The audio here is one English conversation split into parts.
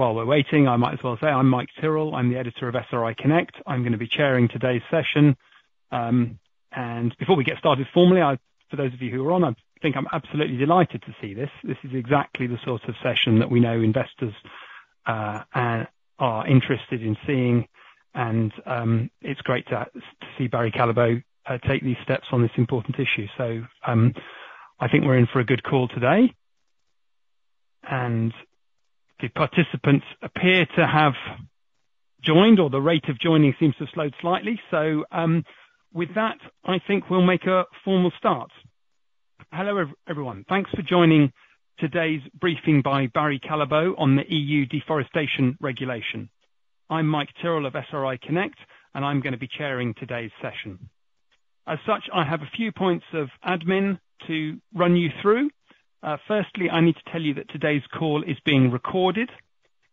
While we're waiting, I might as well say I'm Mike Tyrrell, I'm the editor of SRI Connect. I'm gonna be chairing today's session, and before we get started formally, I, for those of you who are on, I think I'm absolutely delighted to see this. This is exactly the sort of session that we know investors are interested in seeing, and it's great to see Barry Callebaut take these steps on this important issue, so I think we're in for a good call today, and the participants appear to have joined, or the rate of joining seems to have slowed slightly, so with that, I think we'll make a formal start. Hello, everyone. Thanks for joining today's briefing by Barry Callebaut on the EU Deforestation Regulation. I'm Mike Tyrrell of SRI Connect, and I'm gonna be chairing today's session. As such, I have a few points of admin to run you through. Firstly, I need to tell you that today's call is being recorded,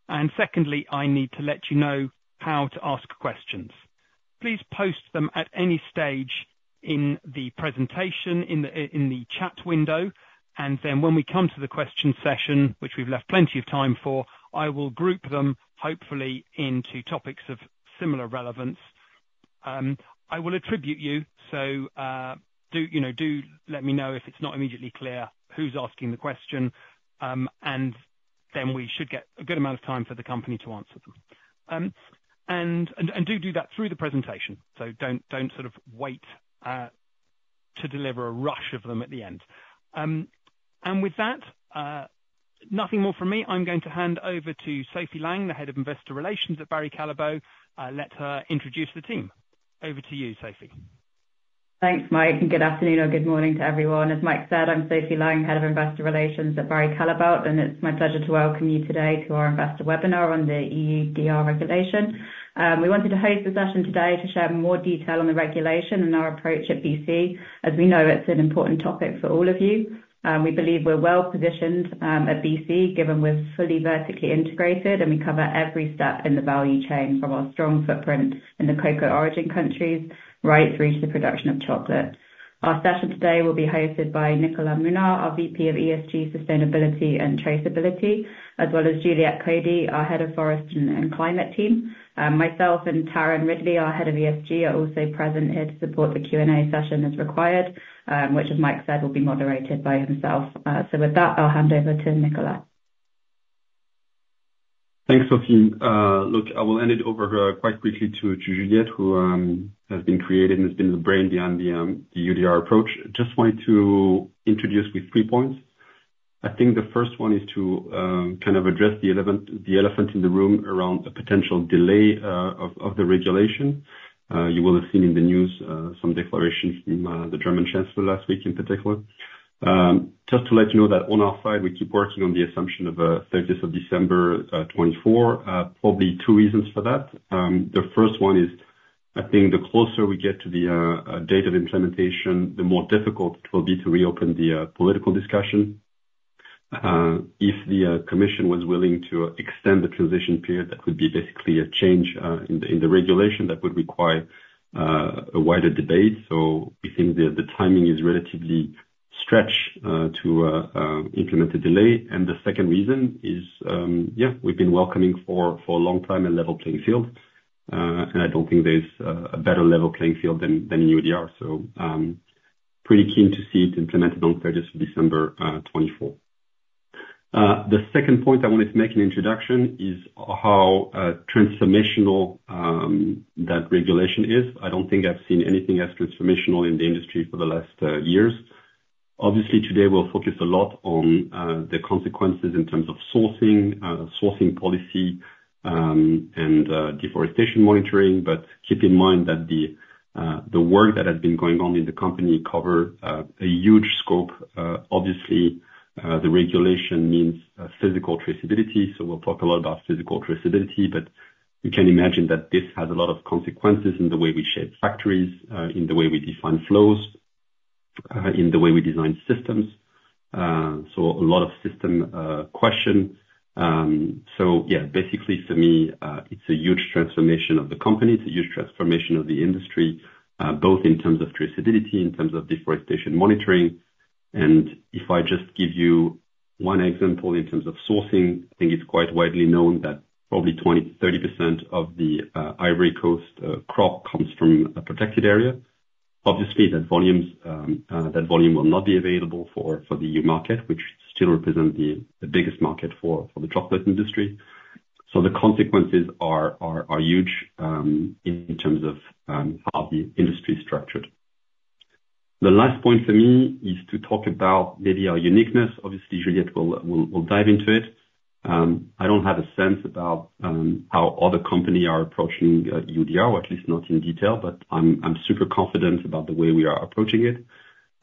and secondly, I need to let you know how to ask questions. Please post them at any stage in the presentation, in the chat window, and then when we come to the question session, which we've left plenty of time for, I will group them, hopefully, into topics of similar relevance. I will attribute you, so, you know, do let me know if it's not immediately clear who's asking the question, and then we should get a good amount of time for the company to answer them. And do that through the presentation, so don't sort of wait to deliver a rush of them at the end. And with that, nothing more from me. I'm going to hand over to Sophie Lang, Head of Investor Relations at Barry Callebaut. Let her introduce the team. Over to you, Sophie. Thanks, Mike, and good afternoon or good morning to everyone. As Mike said, I'm Sophie Lang, Head of Investor Relations at Barry Callebaut, and it's my pleasure to welcome you today to our investor webinar on the EUDR regulation. We wanted to host the session today to share more detail on the regulation and our approach at BC. As we know, it's an important topic for all of you. We believe we're well positioned at BC, given we're fully vertically integrated, and we cover every step in the value chain, from our strong footprint in the cocoa origin countries, right through to the production of chocolate. Our session today will be hosted by Nicolas Mounard, our VP of ESG, Sustainability and Traceability, as well as Juliette Cailliez, our Head of Forest and Climate team. Myself and Taryn Ridley, our Head of ESG, are also present here to support the Q&A session as required, which as Mike said, will be moderated by himself. So with that, I'll hand over to Nicolas. Thanks, Sophie. Look, I will hand it over quite quickly to Juliette, who has been creative and has been the brain behind the EUDR approach. Just wanted to introduce with three points. I think the first one is to kind of address the elephant in the room around the potential delay of the regulation. You will have seen in the news some declarations from the German Chancellor last week, in particular. Just to let you know that on our side, we keep working on the assumption of thirtieth of December 2024. Probably two reasons for that. The first one is, I think the closer we get to the date of implementation, the more difficult it will be to reopen the political discussion. If the commission was willing to extend the transition period, that would be basically a change in the regulation that would require a wider debate. So we think that the timing is relatively stretched to implement the delay. And the second reason is, we've been welcoming for a long time a level playing field. And I don't think there's a better level playing field than EUDR. So, pretty keen to see it implemented on thirtieth of December 2024. The second point I wanted to make an introduction is how transformational that regulation is. I don't think I've seen anything as transformational in the industry for the last years. Obviously, today we'll focus a lot on the consequences in terms of sourcing, sourcing policy, and deforestation monitoring. But keep in mind that the work that has been going on in the company covers a huge scope. Obviously, the regulation means physical traceability, so we'll talk a lot about physical traceability, but you can imagine that this has a lot of consequences in the way we shape factories, in the way we define flows, in the way we design systems. So a lot of system question. So yeah, basically for me, it's a huge transformation of the company. It's a huge transformation of the industry, both in terms of traceability, in terms of deforestation monitoring. If I just give you one example, in terms of sourcing, I think it's quite widely known that probably 20%-30% of the Ivory Coast crop comes from a protected area. Obviously, that volume will not be available for the EU market, which still represents the biggest market for the chocolate industry, so the consequences are huge in terms of how the industry is structured. The last point for me is to talk about maybe our uniqueness. Obviously, Juliette will dive into it. I don't have a sense about how other company are approaching EUDR, or at least not in detail, but I'm super confident about the way we are approaching it.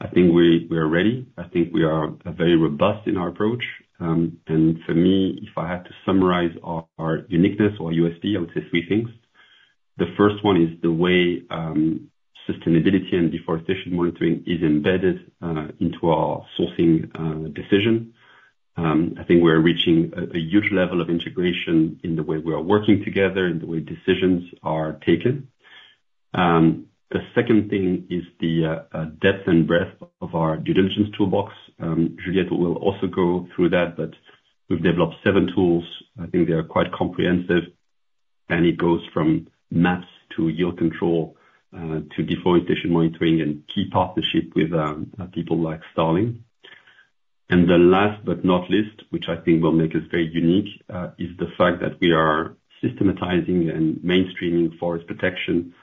I think we are ready. I think we are very robust in our approach. And for me, if I had to summarize our uniqueness or USP, I would say three things. The first one is the way sustainability and deforestation monitoring is embedded into our sourcing decision. I think we're reaching a huge level of integration in the way we are working together and the way decisions are taken. The second thing is the depth and breadth of our due diligence toolbox. Juliette will also go through that, but we've developed seven tools. I think they are quite comprehensive, and it goes from maps to yield control to deforestation monitoring and key partnership with people like Starling. And then last but not least, which I think will make us very unique, is the fact that we are systematizing and mainstreaming forest protection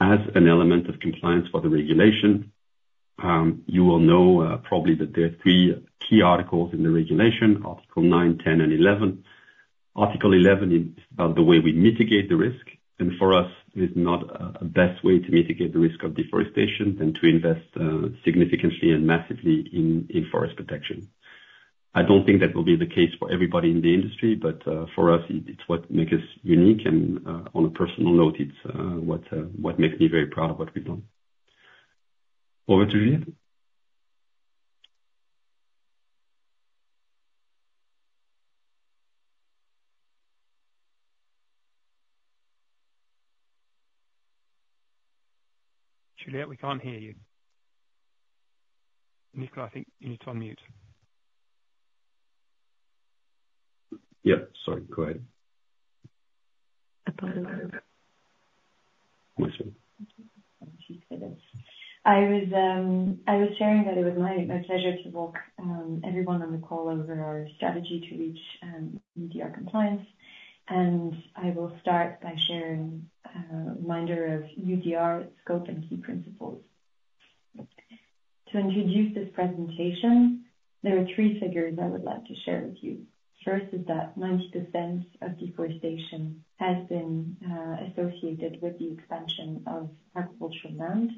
as an element of compliance for the regulation. You will know, probably, that there are three key articles in the regulation, Article nine, 10, and 11. Article 11 is about the way we mitigate the risk, and for us, there's no better way to mitigate the risk of deforestation than to invest significantly and massively in forest protection. I don't think that will be the case for everybody in the industry, but for us, it's what makes us unique. And on a personal note, it's what makes me very proud of what we've done. Over to you, Juliette. Juliette, we can't hear you. Nico, I think you're still on mute. Yeah, sorry, go ahead. I thought it was... We're set. I was sharing that it was my pleasure to walk everyone on the call over our strategy to reach EUDR compliance, and I will start by sharing a reminder of EUDR scope and key principles. To introduce this presentation, there are three figures I would like to share with you. First is that 90% of deforestation has been associated with the expansion of agricultural land.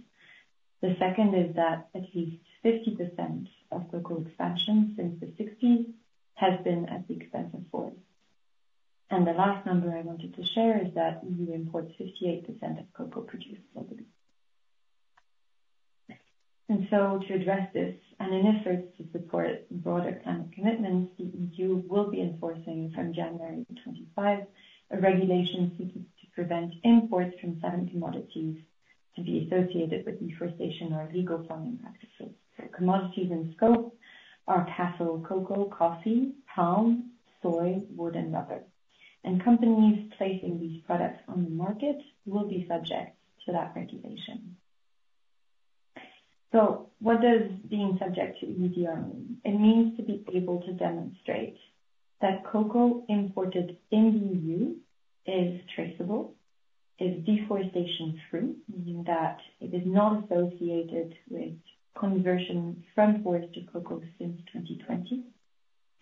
The second is that at least 50% of cocoa expansion since the sixties has been at the expense of forest, and the last number I wanted to share is that EU imports 58% of cocoa produced globally. To address this, and in efforts to support broader climate commitments, the EU will be enforcing from January twenty-five, a regulation seeking to prevent imports from certain commodities to be associated with deforestation or illegal farming practices. The commodities in scope are cattle, cocoa, coffee, palm, soy, wood, and rubber. Companies placing these products on the market will be subject to that regulation. What does being subject to EUDR mean? It means to be able to demonstrate that cocoa imported in the EU is traceable, is deforestation-free, meaning that it is not associated with conversion from forest to cocoa since twenty-twenty,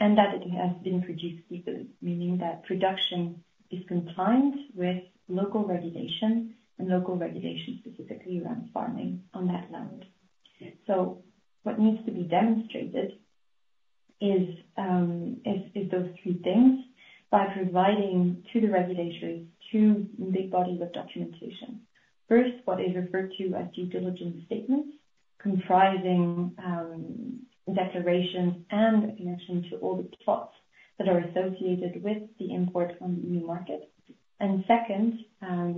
and that it has been produced legally, meaning that production is compliant with local regulation, and local regulation specifically around farming on that land. So what needs to be demonstrated is those three things, by providing to the regulation two big bodies of documentation. First, what is referred to as due diligence statements, comprising declaration and connection to all the plots that are associated with the import from the EU market. And second,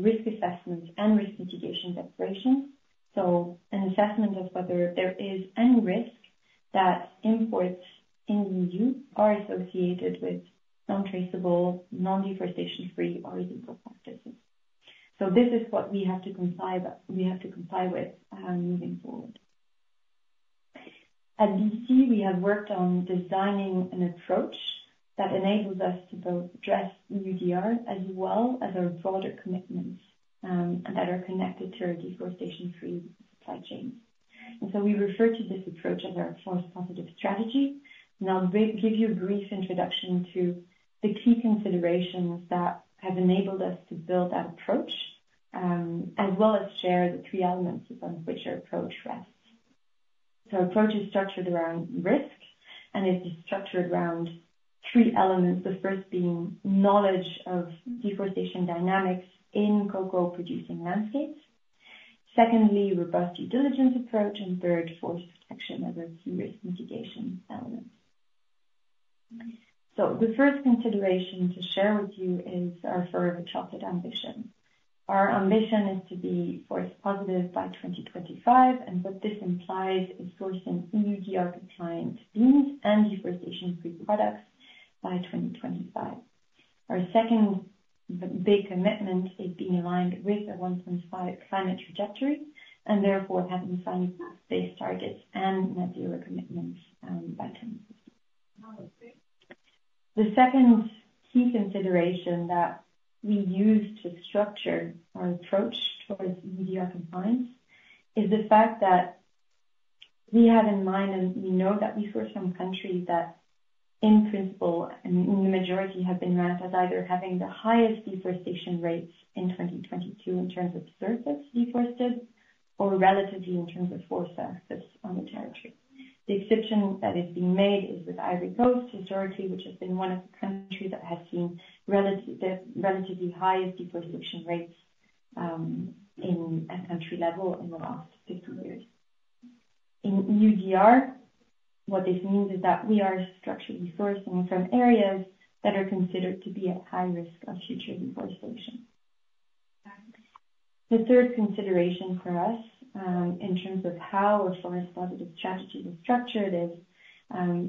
risk assessment and risk mitigation declaration. So an assessment of whether there is any risk that imports in the EU are associated with non-traceable, non-deforestation-free or illegal practices. So this is what we have to comply by. We have to comply with, moving forward. At BC, we have worked on designing an approach that enables us to both address EUDR as well as our broader commitments, that are connected to our deforestation-free supply chain. And so we refer to this approach as our forest positive strategy. I'll give you a brief introduction to the key considerations that have enabled us to build that approach, as well as share the three elements upon which our approach rests. Approach is structured around risk, and it is structured around three elements. The first being knowledge of deforestation dynamics in cocoa-producing landscapes. Secondly, robust due diligence approach, and third, Forest Positive as a key risk mitigation element. The first consideration to share with you is our Forever Chocolate ambition. Our ambition is to be Forest Positive by 2025, and what this implies is sourcing EUDR-compliant beans and deforestation-free products by 2025. Our second big commitment is being aligned with the one point five climate trajectory, and therefore having science-based targets and net zero commitments, by then. The second key consideration that we use to structure our approach towards EUDR compliance is the fact that we have in mind, and we know that we source from countries that, in principle and in the majority, have been ranked as either having the highest deforestation rates in 2022, in terms of surface deforested, or relatively in terms of forest surface on the territory. The exception that is being made is with Ivory Coast, historically, which has been one of the countries that has seen the relatively highest deforestation rates in a country level in the last 50 years. In EUDR, what this means is that we are structurally sourcing from areas that are considered to be at high risk of future deforestation. The third consideration for us, in terms of how our Forest Positive strategy is structured, is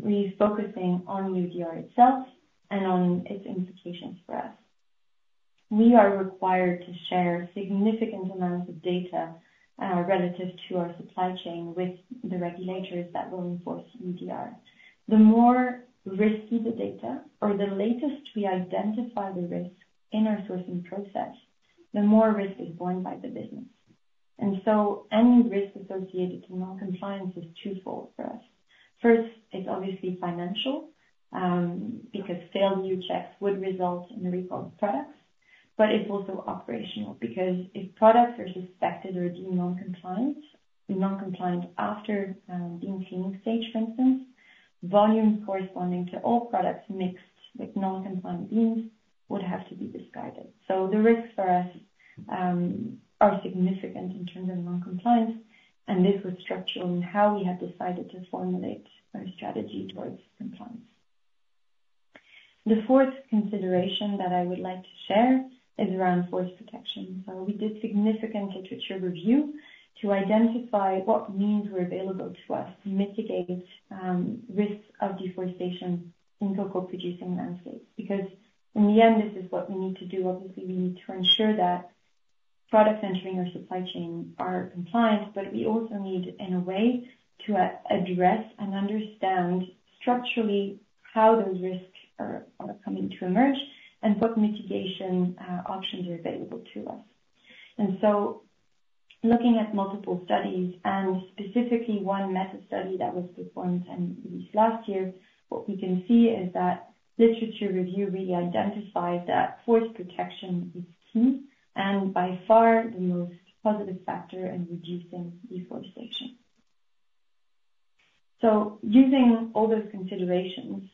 really focusing on EUDR itself and on its implications for us. We are required to share significant amounts of data, relative to our supply chain with the regulators that will enforce EUDR. The more risky the data or the later we identify the risk in our sourcing process, the more risk is borne by the business. And so any risk associated to non-compliance is twofold for us. First, it's obviously financial, because failed EU checks would result in the recall of products, but it's also operational, because if products are suspected or deemed non-compliant after being cleaning stage, for instance, volumes corresponding to all products mixed with non-compliant beans would have to be discarded. The risks for us are significant in terms of non-compliance, and this was structural in how we had decided to formulate our strategy towards compliance. The fourth consideration that I would like to share is around forest protection. We did significant literature review to identify what means were available to us to mitigate risks of deforestation in cocoa-producing landscapes. Because in the end, this is what we need to do. Obviously, we need to ensure that products entering our supply chain are compliant, but we also need, in a way, to address and understand structurally how those risks are coming to emerge and what mitigation options are available to us. And so looking at multiple studies and specifically one meta study that was performed and released last year, what we can see is that literature review really identifies that forest protection is key and by far the most positive factor in reducing deforestation. So using all those considerations,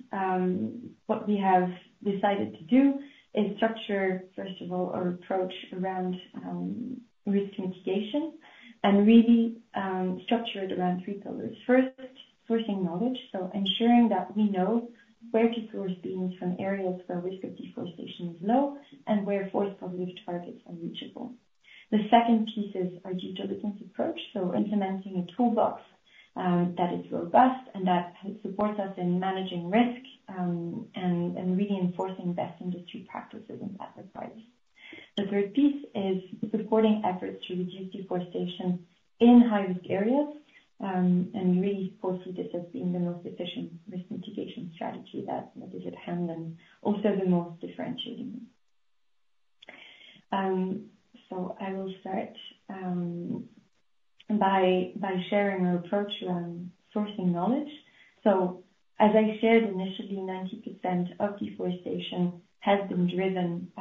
what we have decided to do is structure, first of all, our approach around risk mitigation and really structure it around three pillars. First, sourcing knowledge. So ensuring that we know where to source beans from areas where risk of deforestation is low and where Forest Positive targets are reachable. The second piece is our due diligence approach, so implementing a toolbox that is robust and that supports us in managing risk and really enforcing best industry practices and best advice. The third piece is supporting efforts to reduce deforestation in high-risk areas, and really foresee this as being the most efficient risk mitigation strategy that is at hand and also the most differentiating. So I will start by sharing our approach around sourcing knowledge. So as I said, initially, 90% of deforestation has been driven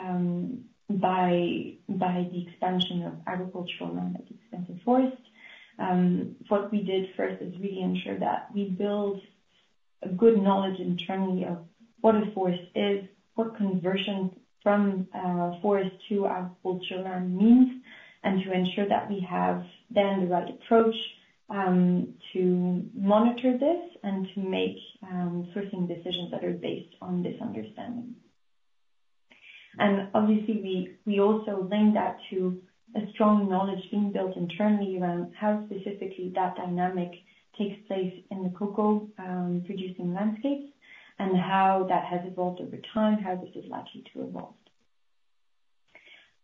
by the expansion of agricultural land that extended forest. What we did first is really ensure that we build a good knowledge internally of what a forest is, what conversion from forest to agricultural land means, and to ensure that we have then the right approach to monitor this and to make sourcing decisions that are based on this understanding. Obviously, we also link that to a strong knowledge being built internally around how specifically that dynamic takes place in the cocoa producing landscapes, and how that has evolved over time, how this is likely to evolve.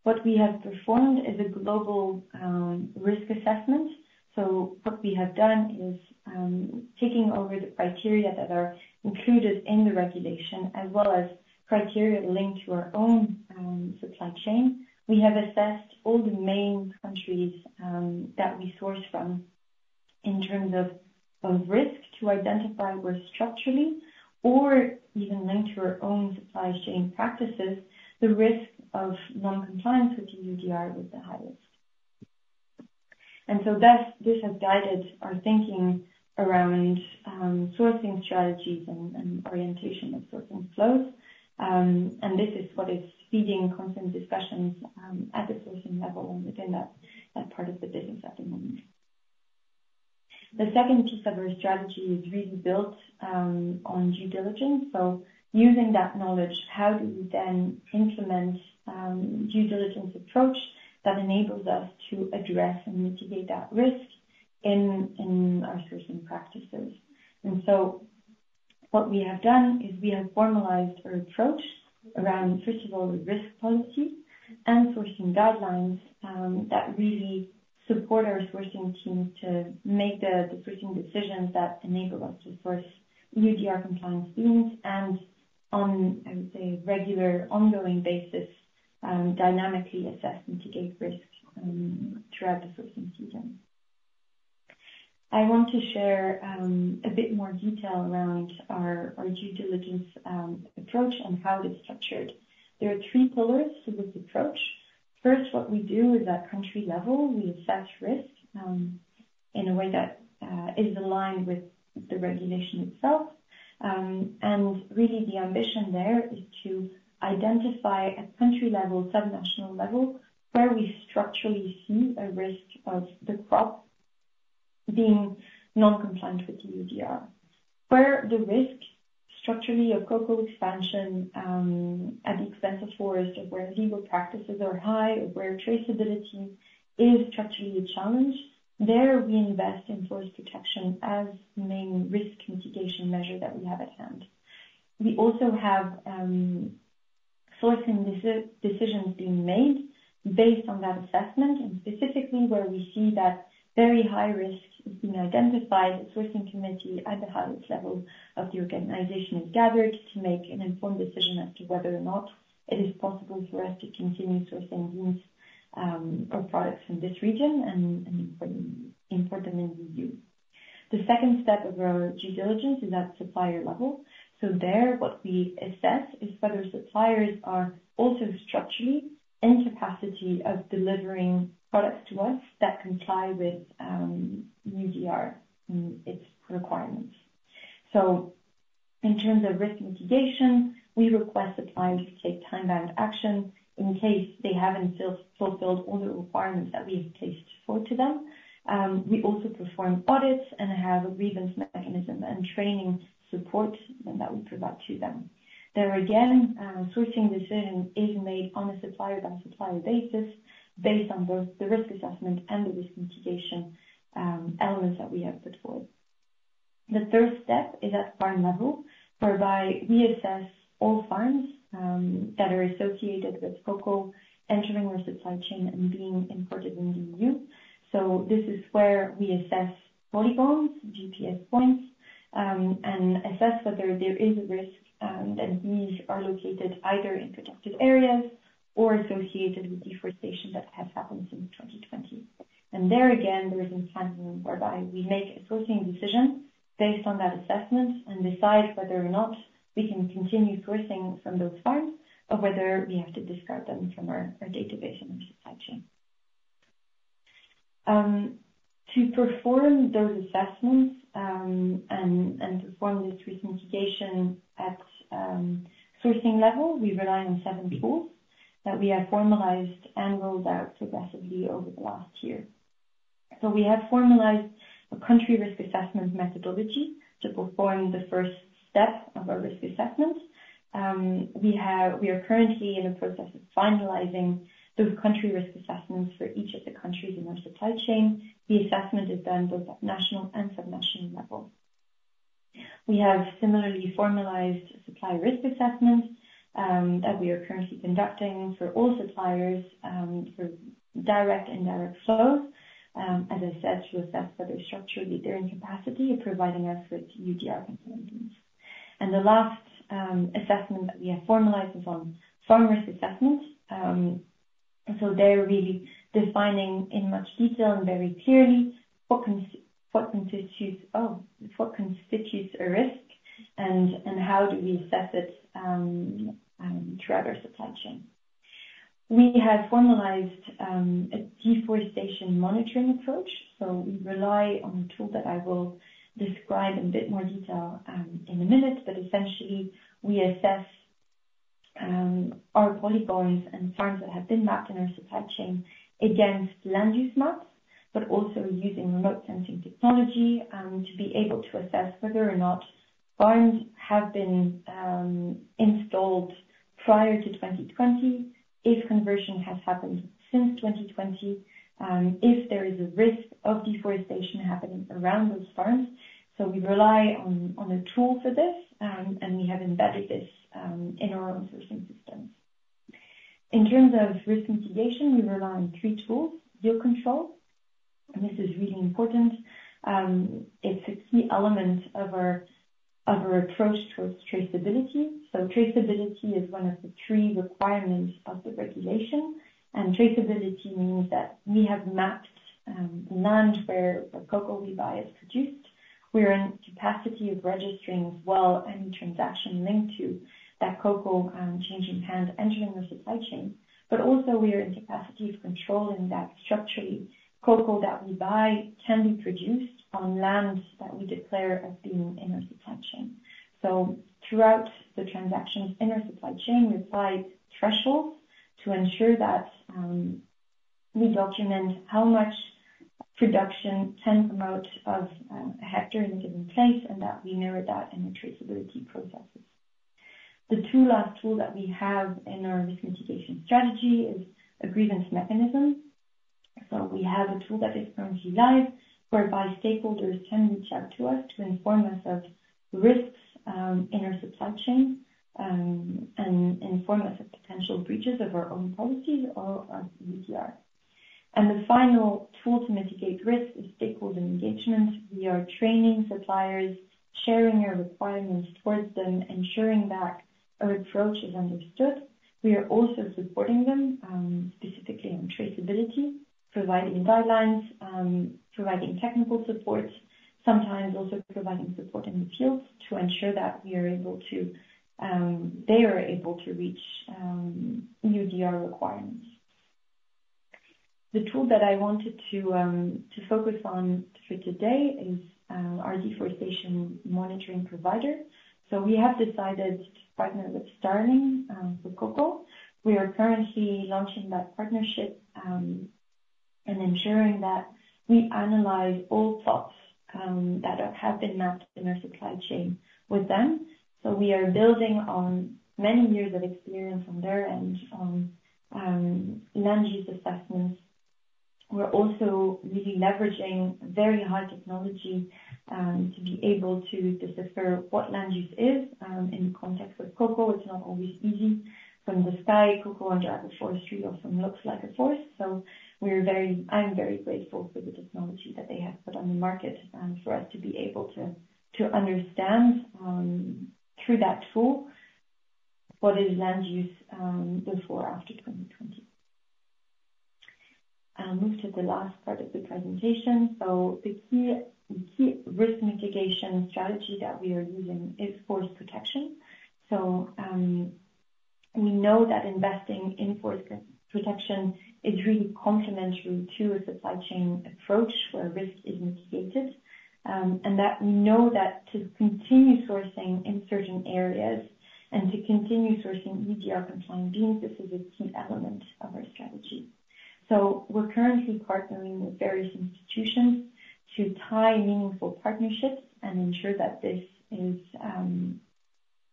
What we have performed is a global risk assessment. What we have done is taking over the criteria that are included in the regulation, as well as criteria linked to our own supply chain. We have assessed all the main countries that we source from in terms of risk, to identify where structurally or even linked to our own supply chain practices, the risk of non-compliance with EUDR is the highest. This has guided our thinking around sourcing strategies and orientation of sourcing flows. And this is what is feeding constant discussions at the sourcing level and within that part of the business at the moment. The second piece of our strategy is really built on due diligence. So using that knowledge, how do we then implement due diligence approach that enables us to address and mitigate that risk in our sourcing practices? And so what we have done is we have formalized our approach around, first of all, risk policy and sourcing guidelines that really support our sourcing team to make the sourcing decisions that enable us to source EUDR compliance beans and on, I would say, regular ongoing basis, dynamically assess and mitigate risk throughout the sourcing season. I want to share a bit more detail around our due diligence approach and how it is structured. There are three pillars to this approach. First, what we do is at country level, we assess risk, in a way that, is aligned with the regulation itself. And really the ambition there is to identify at country level, sub-national level, where we structurally see a risk of the crop being non-compliant with the EUDR. Where the risk structurally of cocoa expansion, at the expense of forest, or where legal practices are high, or where traceability is structurally a challenge, there we invest in forest protection as the main risk mitigation measure that we have at hand. We also have sourcing decisions being made based on that assessment, and specifically where we see that very high risk has been identified, the sourcing committee at the highest level of the organization is gathered to make an informed decision as to whether or not it is possible for us to continue sourcing goods or products from this region and import them in the EU. The second step of our due diligence is at supplier level. So there, what we assess is whether suppliers are also structurally in capacity of delivering products to us that comply with EUDR and its requirements. So in terms of risk mitigation, we request the client to take time-bound action in case they haven't still fulfilled all the requirements that we have placed forward to them. We also perform audits and have a grievance mechanism and training support that we provide to them. There again, sourcing decision is made on a supplier-by-supplier basis, based on both the risk assessment and the risk mitigation, elements that we have put forward. The third step is at farm level, whereby we assess all farms, that are associated with cocoa entering our supply chain and being imported in the EU. This is where we assess polygons, GPS points, and assess whether there is a risk, that these are located either in protected areas or associated with deforestation that has happened in 2020. There again, there is a pattern whereby we make a sourcing decision based on that assessment and decide whether or not we can continue sourcing from those farms or whether we have to discard them from our database and our supply chain. To perform those assessments and perform this risk mitigation at sourcing level, we rely on seven tools that we have formalized and rolled out progressively over the last year. We have formalized a country risk assessment methodology to perform the first step of our risk assessment. We are currently in the process of finalizing the country risk assessments for each of the countries in our supply chain. The assessment is done both at national and sub-national level. We have similarly formalized supply risk assessments, that we are currently conducting for all suppliers, for direct and indirect flows, as I said, to assess whether structurally they're in capacity of providing us with EUDR components. The last assessment that we have formalized is on-farm risk assessment. So there we're really defining in much detail and very clearly what constitutes a risk, and how do we assess it, throughout our supply chain. We have formalized a deforestation monitoring approach, so we rely on a tool that I will describe in a bit more detail, in a minute. But essentially, we assess our polygons and farms that have been mapped in our supply chain against land use maps, but also using remote sensing technology to be able to assess whether or not farms have been installed prior to 2020, if conversion has happened since 2020, if there is a risk of deforestation happening around those farms. So we rely on a tool for this, and we have embedded this in our own sourcing systems. In terms of risk mitigation, we rely on three tools: yield control, and this is really important. It's a key element of our approach towards traceability. So traceability is one of the three requirements of the regulation, and traceability means that we have mapped land where the cocoa we buy is produced. We are in capacity of registering well any transaction linked to that cocoa, changing hands, entering the supply chain. But also, we are in capacity of controlling that structurally cocoa that we buy can be produced on lands that we declare as being in our supply chain. So throughout the transactions in our supply chain, we apply thresholds to ensure that, we document how much production can promote of, a hectare in a given place, and that we mirror that in the traceability processes. The two last tool that we have in our risk mitigation strategy is a grievance mechanism. So we have a tool that is currently live, whereby stakeholders can reach out to us to inform us of risks, in our supply chain, and inform us of potential breaches of our own policies or our EUDR. The final tool to mitigate risk is stakeholder engagement. We are training suppliers, sharing our requirements towards them, ensuring that our approach is understood. We are also supporting them, specifically on traceability, providing guidelines, providing technical support, sometimes also providing support in the field to ensure that they are able to reach EUDR requirements. The tool that I wanted to focus on for today is our deforestation monitoring provider. We have decided to partner with Starling for cocoa. We are currently launching that partnership and ensuring that we analyze all plots that have been mapped in our supply chain with them. We are building on many years of experience on their end on land use assessments. We're also really leveraging very high technology to be able to decipher what land use is. In the context of cocoa, it's not always easy. From the sky, cocoa and agroforestry often looks like a forest, so I'm very grateful for the technology that they have put on the market for us to be able to understand through that tool what is land use before or after twenty-twenty. I'll move to the last part of the presentation. The key risk mitigation strategy that we are using is forest protection. We know that investing in forest protection is really complementary to a supply chain approach where risk is mitigated, and that we know that to continue sourcing in certain areas and to continue sourcing EUDR compliant beans, this is a key element of our strategy. So we're currently partnering with various institutions to tie meaningful partnerships and ensure that this is,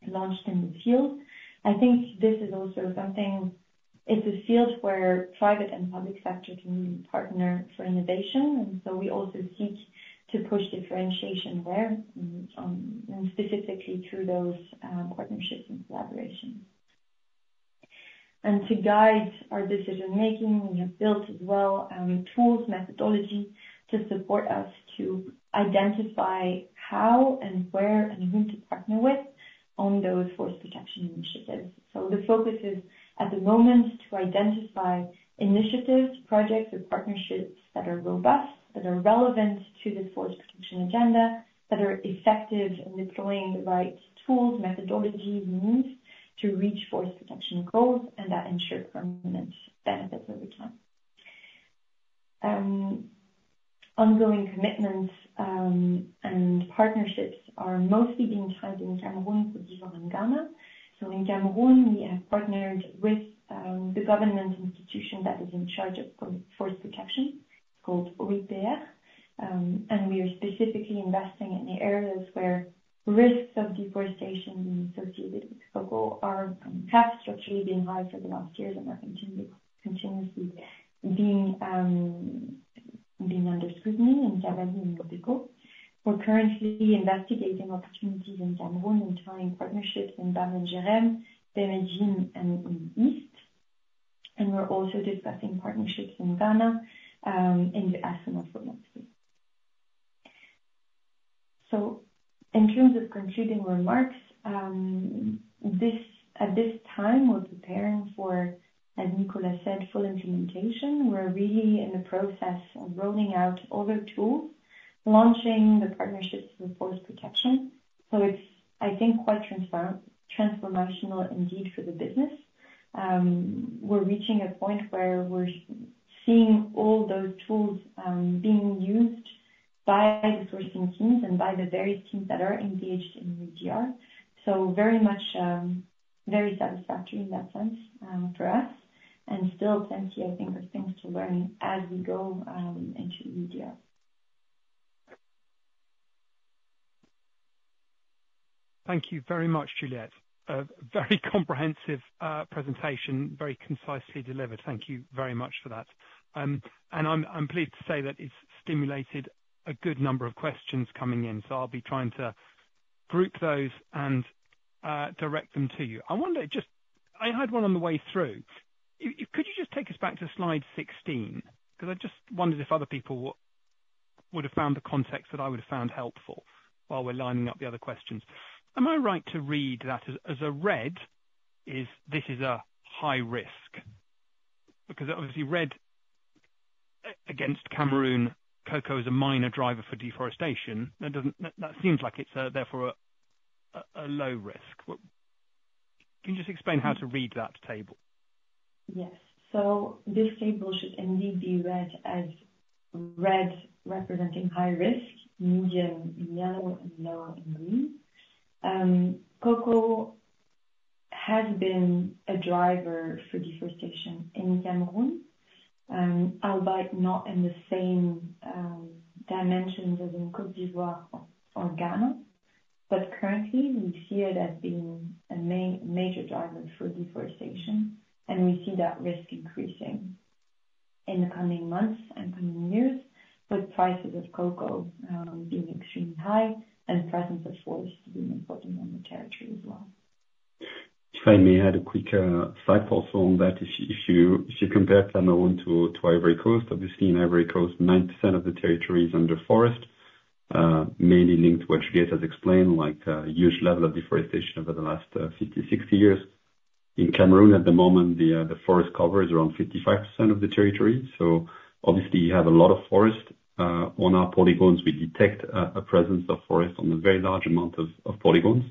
launched in the field. I think this is also something... It's a field where private and public sector can partner for innovation, and so we also seek to push differentiation there, and specifically through those, partnerships and collaborations. And to guide our decision-making, we have built as well, tools, methodology to support us to identify how and where and who to partner with on those forest protection initiatives. So the focus is, at the moment, to identify initiatives, projects or partnerships that are robust, that are relevant to the forest protection agenda, that are effective in deploying the right tools, methodology, means, to reach forest protection goals, and that ensure permanent benefits over time. Ongoing commitments, and partnerships are mostly being tried in Cameroon, Côte d'Ivoire, and Ghana. In Cameroon, we have partnered with the government institution that is in charge of forest protection, called OIPR. And we are specifically investing in the areas where risks of deforestation associated with cocoa are, have structurally been high for the last years and are continuously being under scrutiny in Cameroon and Côte d'Ivoire. We're currently investigating opportunities in Cameroon and planning partnerships in Baham, Djerem, Debergie, and in the east. We're also discussing partnerships in Ghana, in the Ashanti of Lamadti. In terms of concluding remarks, at this time, we're preparing for, as Nicolas said, full implementation. We're really in the process of rolling out all the tools, launching the partnerships with forest protection. It's, I think, quite transformational indeed, for the business. We're reaching a point where we're seeing all those tools being used by the sourcing teams and by the various teams that are engaged in EUDR. So very much very satisfactory in that sense for us, and still plenty, I think, of things to learn as we go into EUDR. Thank you very much, Juliette. A very comprehensive presentation, very concisely delivered. Thank you very much for that. And I'm pleased to say that it's stimulated a good number of questions coming in, so I'll be trying to group those and direct them to you. I wonder just. I had one on the way through. Could you just take us back to slide 16? 'Cause I just wondered if other people would have found the context that I would have found helpful, while we're lining up the other questions. Am I right to read that as a red? Is this a high risk? Because obviously, red against Cameroon, cocoa is a minor driver for deforestation. That doesn't seem like it's therefore a low risk. Can you just explain how to read that table? Yes, so this table should indeed be read as red, representing high risk, medium in yellow, and low in green. Cocoa has been a driver for deforestation in Cameroon, albeit not in the same dimensions as in Côte d'Ivoire or Ghana, but currently, we see it as being a major driver for deforestation, and we see that risk increasing in the coming months and coming years, with prices of cocoa being extremely high and presence of forest being important on the territory as well. If I may add a quick fact also on that issue. If you compare Cameroon to Ivory Coast, obviously in Ivory Coast, 90% of the territory is under forest, mainly linked to what Juliette has explained, like huge level of deforestation over the last fifty, sixty years. In Cameroon at the moment, the forest cover is around 55% of the territory, so obviously you have a lot of forest. On our polygons, we detect a presence of forest on a very large amount of polygons.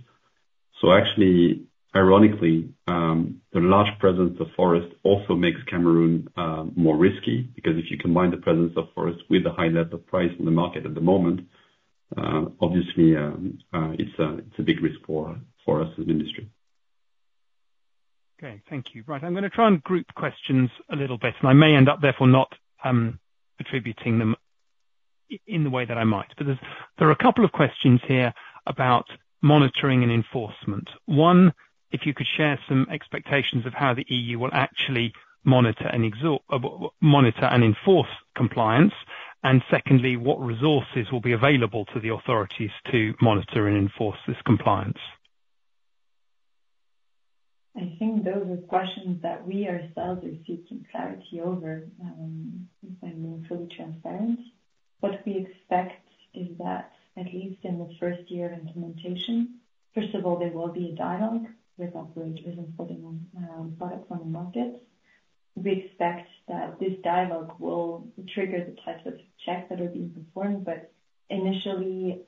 So actually, ironically, the large presence of forest also makes Cameroon more risky, because if you combine the presence of forest with the high level of price in the market at the moment, obviously it's a big risk for us as an industry. Okay, thank you. Right, I'm gonna try and group questions a little bit, and I may end up therefore not attributing them in the way that I might. But there are a couple of questions here about monitoring and enforcement. One, if you could share some expectations of how the EU will actually monitor and enforce compliance, and secondly, what resources will be available to the authorities to monitor and enforce this compliance? I think those are questions that we ourselves are seeking clarity over, if I'm being fully transparent. What we expect is that, at least in the first year implementation, first of all, there will be a dialogue with operators importing, products on the markets. We expect that this dialogue will trigger the types of checks that are being performed, but initially,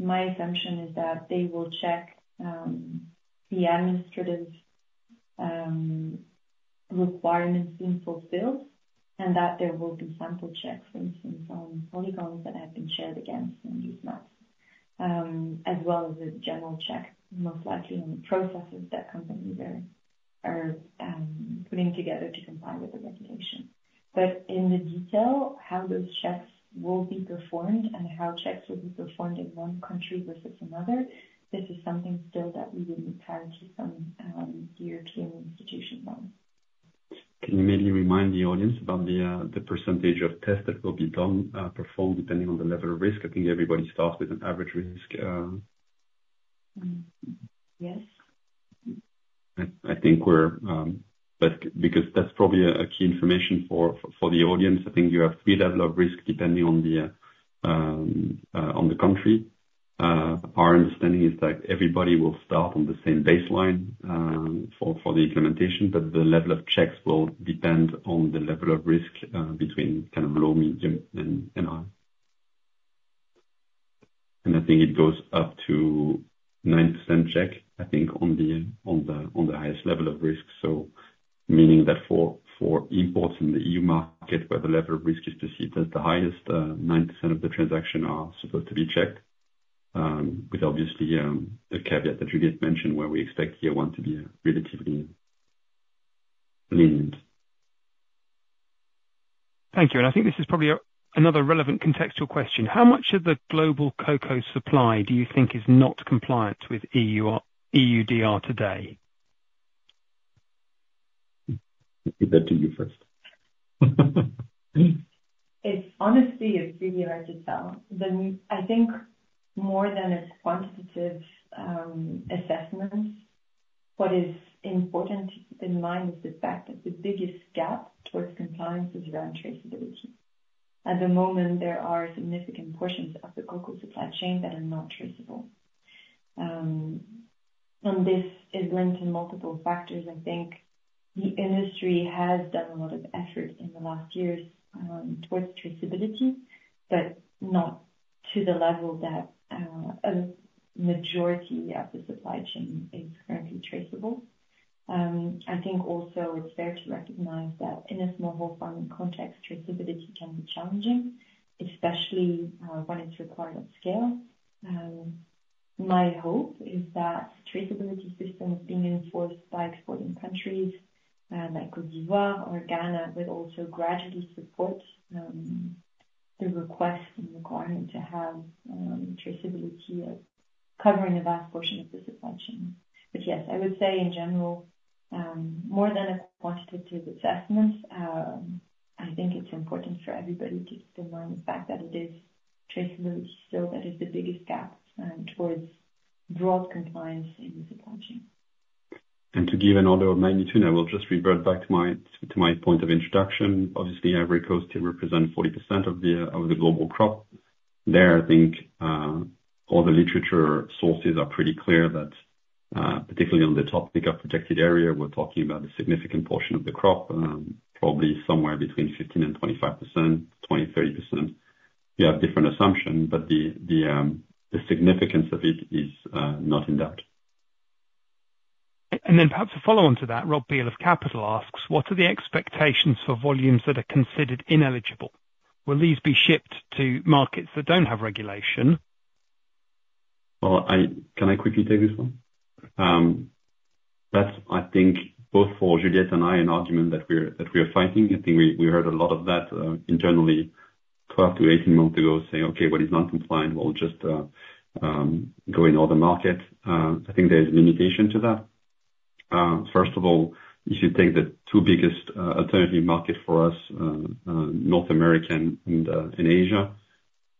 my assumption is that they will check, the administrative, requirements being fulfilled, and that there will be sample checks, for instance, on polygons that have been shared against in these maps. As well as a general check, most likely on the processes that companies are putting together to comply with the regulation. But in the detail, how those checks will be performed and how checks will be performed in one country versus another, this is something still that we will need clarity from the EU institutionally. Can you maybe remind the audience about the percentage of tests that will be done, performed, depending on the level of risk? I think everybody starts with an average risk. Mm. Yes. But because that's probably a key information for the audience, I think you have three level of risk, depending on the country. Our understanding is that everybody will start on the same baseline for the implementation, but the level of checks will depend on the level of risk between kind of low, medium, and high. I think it goes up to 9% check, I think, on the highest level of risk. Meaning that for imports in the EU market, where the level of risk is perceived as the highest, 9% of the transaction are supposed to be checked, with obviously the caveat that Juliette mentioned, where we expect year one to be relatively lenient. Thank you. I think this is probably another relevant contextual question: How much of the global cocoa supply do you think is not compliant with EUDR today? I'll give that to you first. It's honestly, it's really hard to tell. Then we, I think more than it's quantitative assessments, what is important to keep in mind is the fact that the biggest gap towards compliance is around traceability. At the moment, there are significant portions of the cocoa supply chain that are not traceable. And this is linked to multiple factors. I think the industry has done a lot of effort in the last years towards traceability, but not to the level that a majority of the supply chain is currently traceable. I think also it's fair to recognize that in a smallholder farming context, traceability can be challenging, especially when it's required at scale. My hope is that traceability systems being enforced by exporting countries, like Côte d'Ivoire or Ghana, will also gradually support the request and requirement to have traceability of covering a vast portion of the supply chain. But yes, I would say in general, more than a quantitative assessment, I think it's important for everybody to keep in mind the fact that it is traceability still that is the biggest gap towards broad compliance in the supply chain. To give an order of magnitude, I will just revert back to my point of introduction. Obviously, Ivory Coast still represents 40% of the global crop. I think all the literature sources are pretty clear that, particularly on the topic of protected area, we're talking about a significant portion of the crop, probably somewhere between 15%-25%, 20%-30%. You have different assumptions, but the significance of it is not in doubt. And then perhaps a follow-on to that, Rob Beale of Capital Group asks, "What are the expectations for volumes that are considered ineligible? Will these be shipped to markets that don't have regulation? Well, can I quickly take this one? That's, I think, both for Juliette and I, an argument that we're, that we are fighting. I think we heard a lot of that internally 12-18 months ago, saying, "Okay, well, it's not compliant. We'll just go in other market." I think there is a limitation to that. First of all, if you take the two biggest alternative market for us, North America and Asia.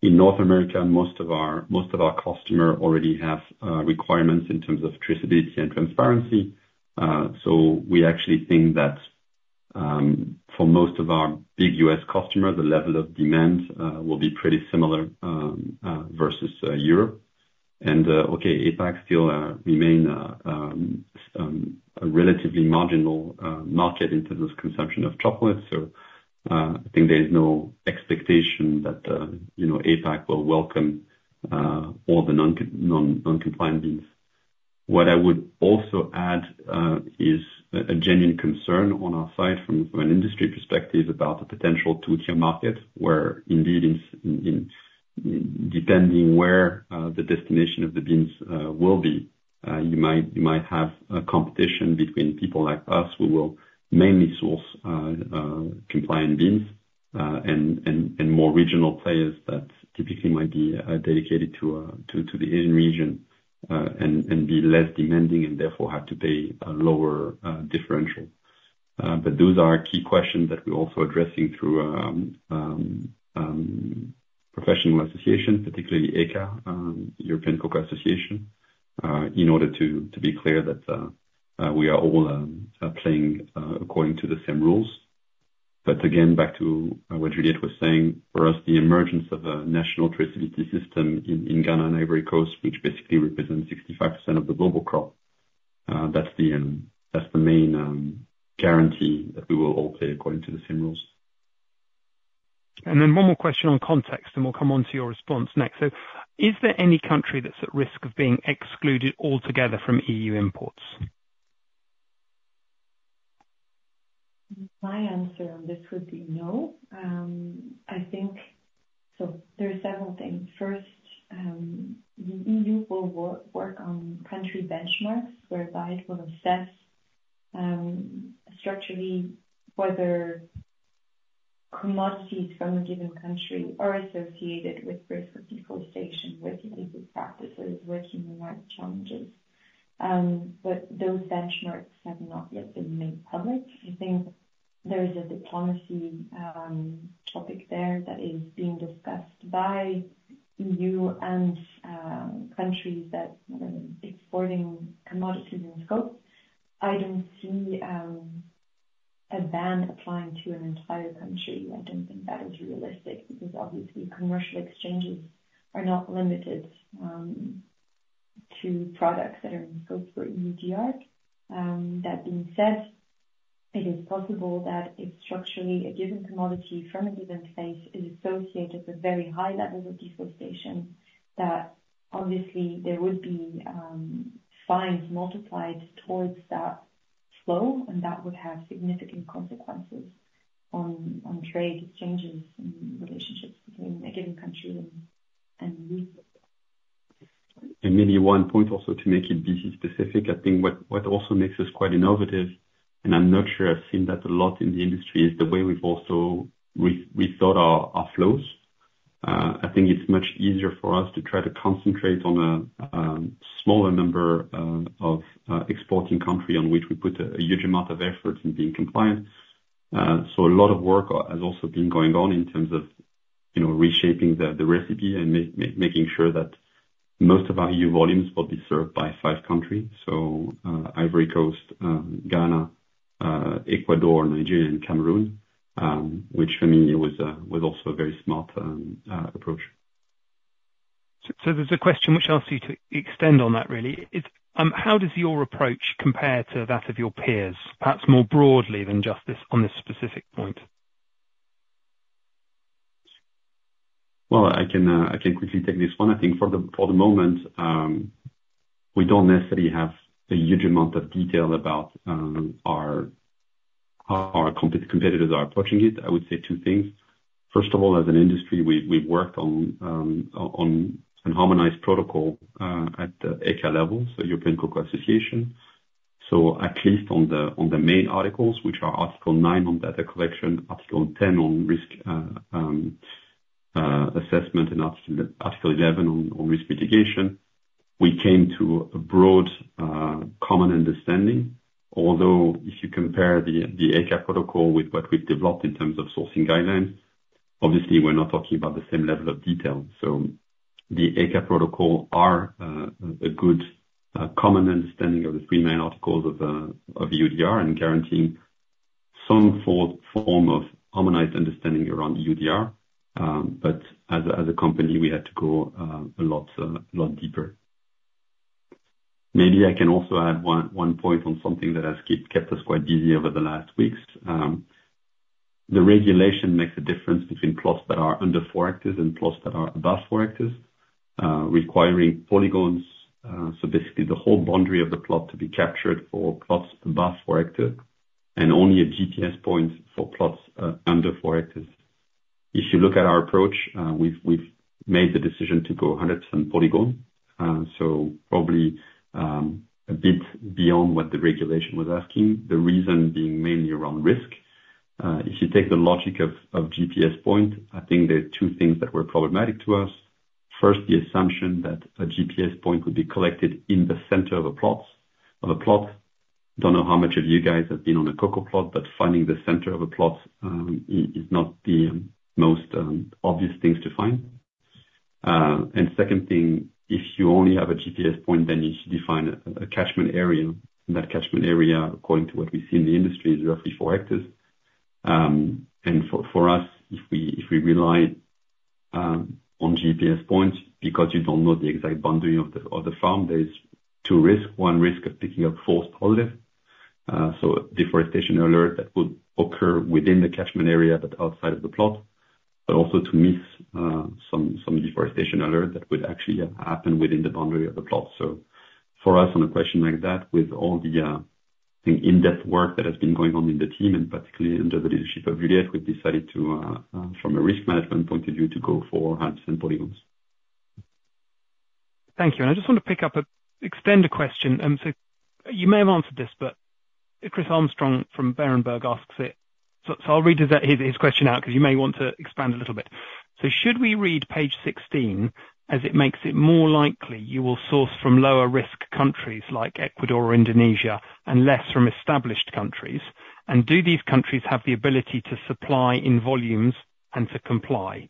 In North America, most of our, most of our customer already have requirements in terms of traceability and transparency. So we actually think that for most of our big U.S. customers, the level of demand will be pretty similar versus Europe. Okay, APAC still remain a relatively marginal market in terms of consumption of chocolate. I think there is no expectation that, you know, APAC will welcome all the non-compliant beans. What I would also add is a genuine concern on our side from an industry perspective, about the potential two-tier market, where indeed, depending where the destination of the beans will be, you might have a competition between people like us, who will mainly source compliant beans, and more regional players that typically might be dedicated to the Asian region, and be less demanding, and therefore have to pay a lower differential. But those are key questions that we're also addressing through professional associations, particularly ECA, European Cocoa Association, in order to be clear that we are all playing according to the same rules. But again, back to what Juliette was saying, for us, the emergence of a national traceability system in Ghana and Ivory Coast, which basically represents 65% of the global crop, that's the main guarantee that we will all play according to the same rules. And then one more question on context, and we'll come onto your response next. So is there any country that's at risk of being excluded altogether from EU imports? My answer on this would be no. I think. So there are several things. First, the EU will work on country benchmarks, whereby it will assess, structurally, whether commodities from a given country are associated with risk of deforestation, with illegal practices, with human rights challenges. But those benchmarks have not yet been made public. I think there is a diplomacy topic there, that is being discussed by EU and countries that are exporting commodities in scope. I don't see a ban applying to an entire country. I don't think that is realistic, because obviously commercial exchanges are not limited to products that are in scope for EUDR. That being said, it is possible that if structurally a given commodity from a given place is associated with very high levels of deforestation, that obviously there would be fines multiplied towards that flow, and that would have significant consequences on trade exchanges and relationships between a given country and the EU. Maybe one point also, to make it specific, I think what also makes us quite innovative, and I'm not sure I've seen that a lot in the industry, is the way we've also rethought our flows. I think it's much easier for us to try to concentrate on a smaller number of exporting country, on which we put a huge amount of effort in being compliant. So a lot of work has also been going on in terms of, you know, reshaping the recipe, and making sure that most of our EU volumes will be served by five countries, so Ivory Coast, Ghana, Ecuador, Nigeria, and Cameroon, which for me was also a very smart approach. So there's a question which asks you to extend on that, really. It's: How does your approach compare to that of your peers, perhaps more broadly than just this, on this specific point? I can quickly take this one. I think for the moment, we don't necessarily have a huge amount of detail about how our competitors are approaching it. I would say two things. First of all, as an industry, we've worked on a harmonized protocol at the ECA level, so European Cocoa Association. So at least on the main articles, which are Article nine on data collection, article ten on risk assessment, and Article eleven on risk mitigation, we came to a broad common understanding. Although, if you compare the ECA protocol with what we've developed in terms of sourcing guidelines, obviously we're not talking about the same level of detail. So the ECA protocol are a good common understanding of the three main articles of of EUDR, and guaranteeing some form of harmonized understanding around EUDR. But as a company, we had to go a lot deeper. Maybe I can also add one point on something that has kept us quite busy over the last weeks. The regulation makes a difference between plots that are under four hectares and plots that are above four hectares, requiring polygons, so basically the whole boundary of the plot to be captured for plots above four hectares, and only a GPS point for plots under four hectares. If you look at our approach, we've made the decision to go 100% polygon, so probably a bit beyond what the regulation was asking, the reason being mainly around risk. If you take the logic of GPS point, I think there are two things that were problematic to us. First, the assumption that a GPS point would be collected in the center of a plot. Don't know how much of you guys have been on a cocoa plot, but finding the center of a plot is not the most obvious things to find. And second thing, if you only have a GPS point, then you should define a catchment area. And that catchment area, according to what we see in the industry, is roughly four hectares. And for us, if we rely on GPS points, because you don't know the exact boundary of the farm. There is two risk, one risk of picking up false positive, so deforestation alert that would occur within the catchment area, but outside of the plot, but also to miss some deforestation alert that would actually happen within the boundary of the plot. So for us, on a question like that, with all the in-depth work that has been going on in the team, and particularly under the leadership of Juliette, we've decided to, from a risk management point of view, to go for hunts and polygons. Thank you. And I just want to pick up and extend a question, and so you may have answered this, but Chris Armstrong from Berenberg asks it. So I'll read his question out, 'cause you may want to expand a little bit. So should we read page sixteen as it makes it more likely you will source from lower risk countries like Ecuador or Indonesia, and less from established countries? And do these countries have the ability to supply in volumes and to comply?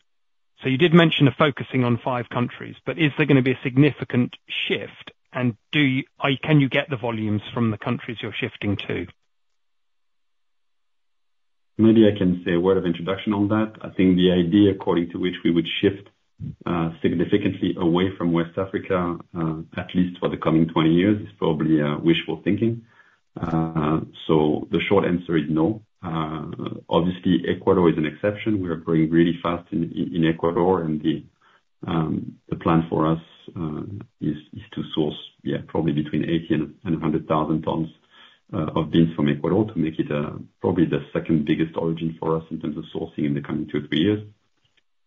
So you did mention focusing on five countries, but is there gonna be a significant shift, and can you get the volumes from the countries you're shifting to? Maybe I can say a word of introduction on that. I think the idea according to which we would shift significantly away from West Africa at least for the coming 20 years is probably wishful thinking, so the short answer is no. Obviously, Ecuador is an exception. We are growing really fast in Ecuador, and the plan for us is to source, yeah, probably between 80 and 100 thousand tons of beans from Ecuador, to make it probably the second biggest origin for us in terms of sourcing in the coming 2 or 3 years.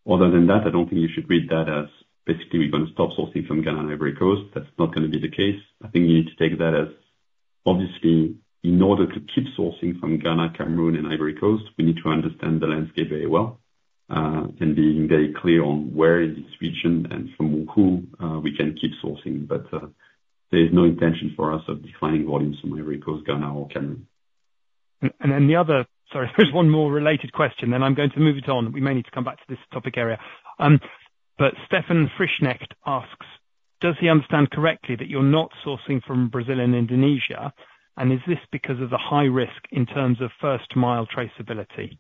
Other than that, I don't think you should read that as, basically, we're gonna stop sourcing from Ghana and Ivory Coast. That's not gonna be the case. I think you need to take that as, obviously, in order to keep sourcing from Ghana, Cameroon, and Ivory Coast, we need to understand the landscape very well, and being very clear on where in this region, and from who, we can keep sourcing. But, there is no intention for us of declining volumes from Ivory Coast, Ghana, or Cameroon. Sorry, there's one more related question, then I'm going to move it on. We may need to come back to this topic area. But Stefan Frischnecht asks, "Does he understand correctly, that you're not sourcing from Brazil and Indonesia, and is this because of the high risk in terms of first mile traceability?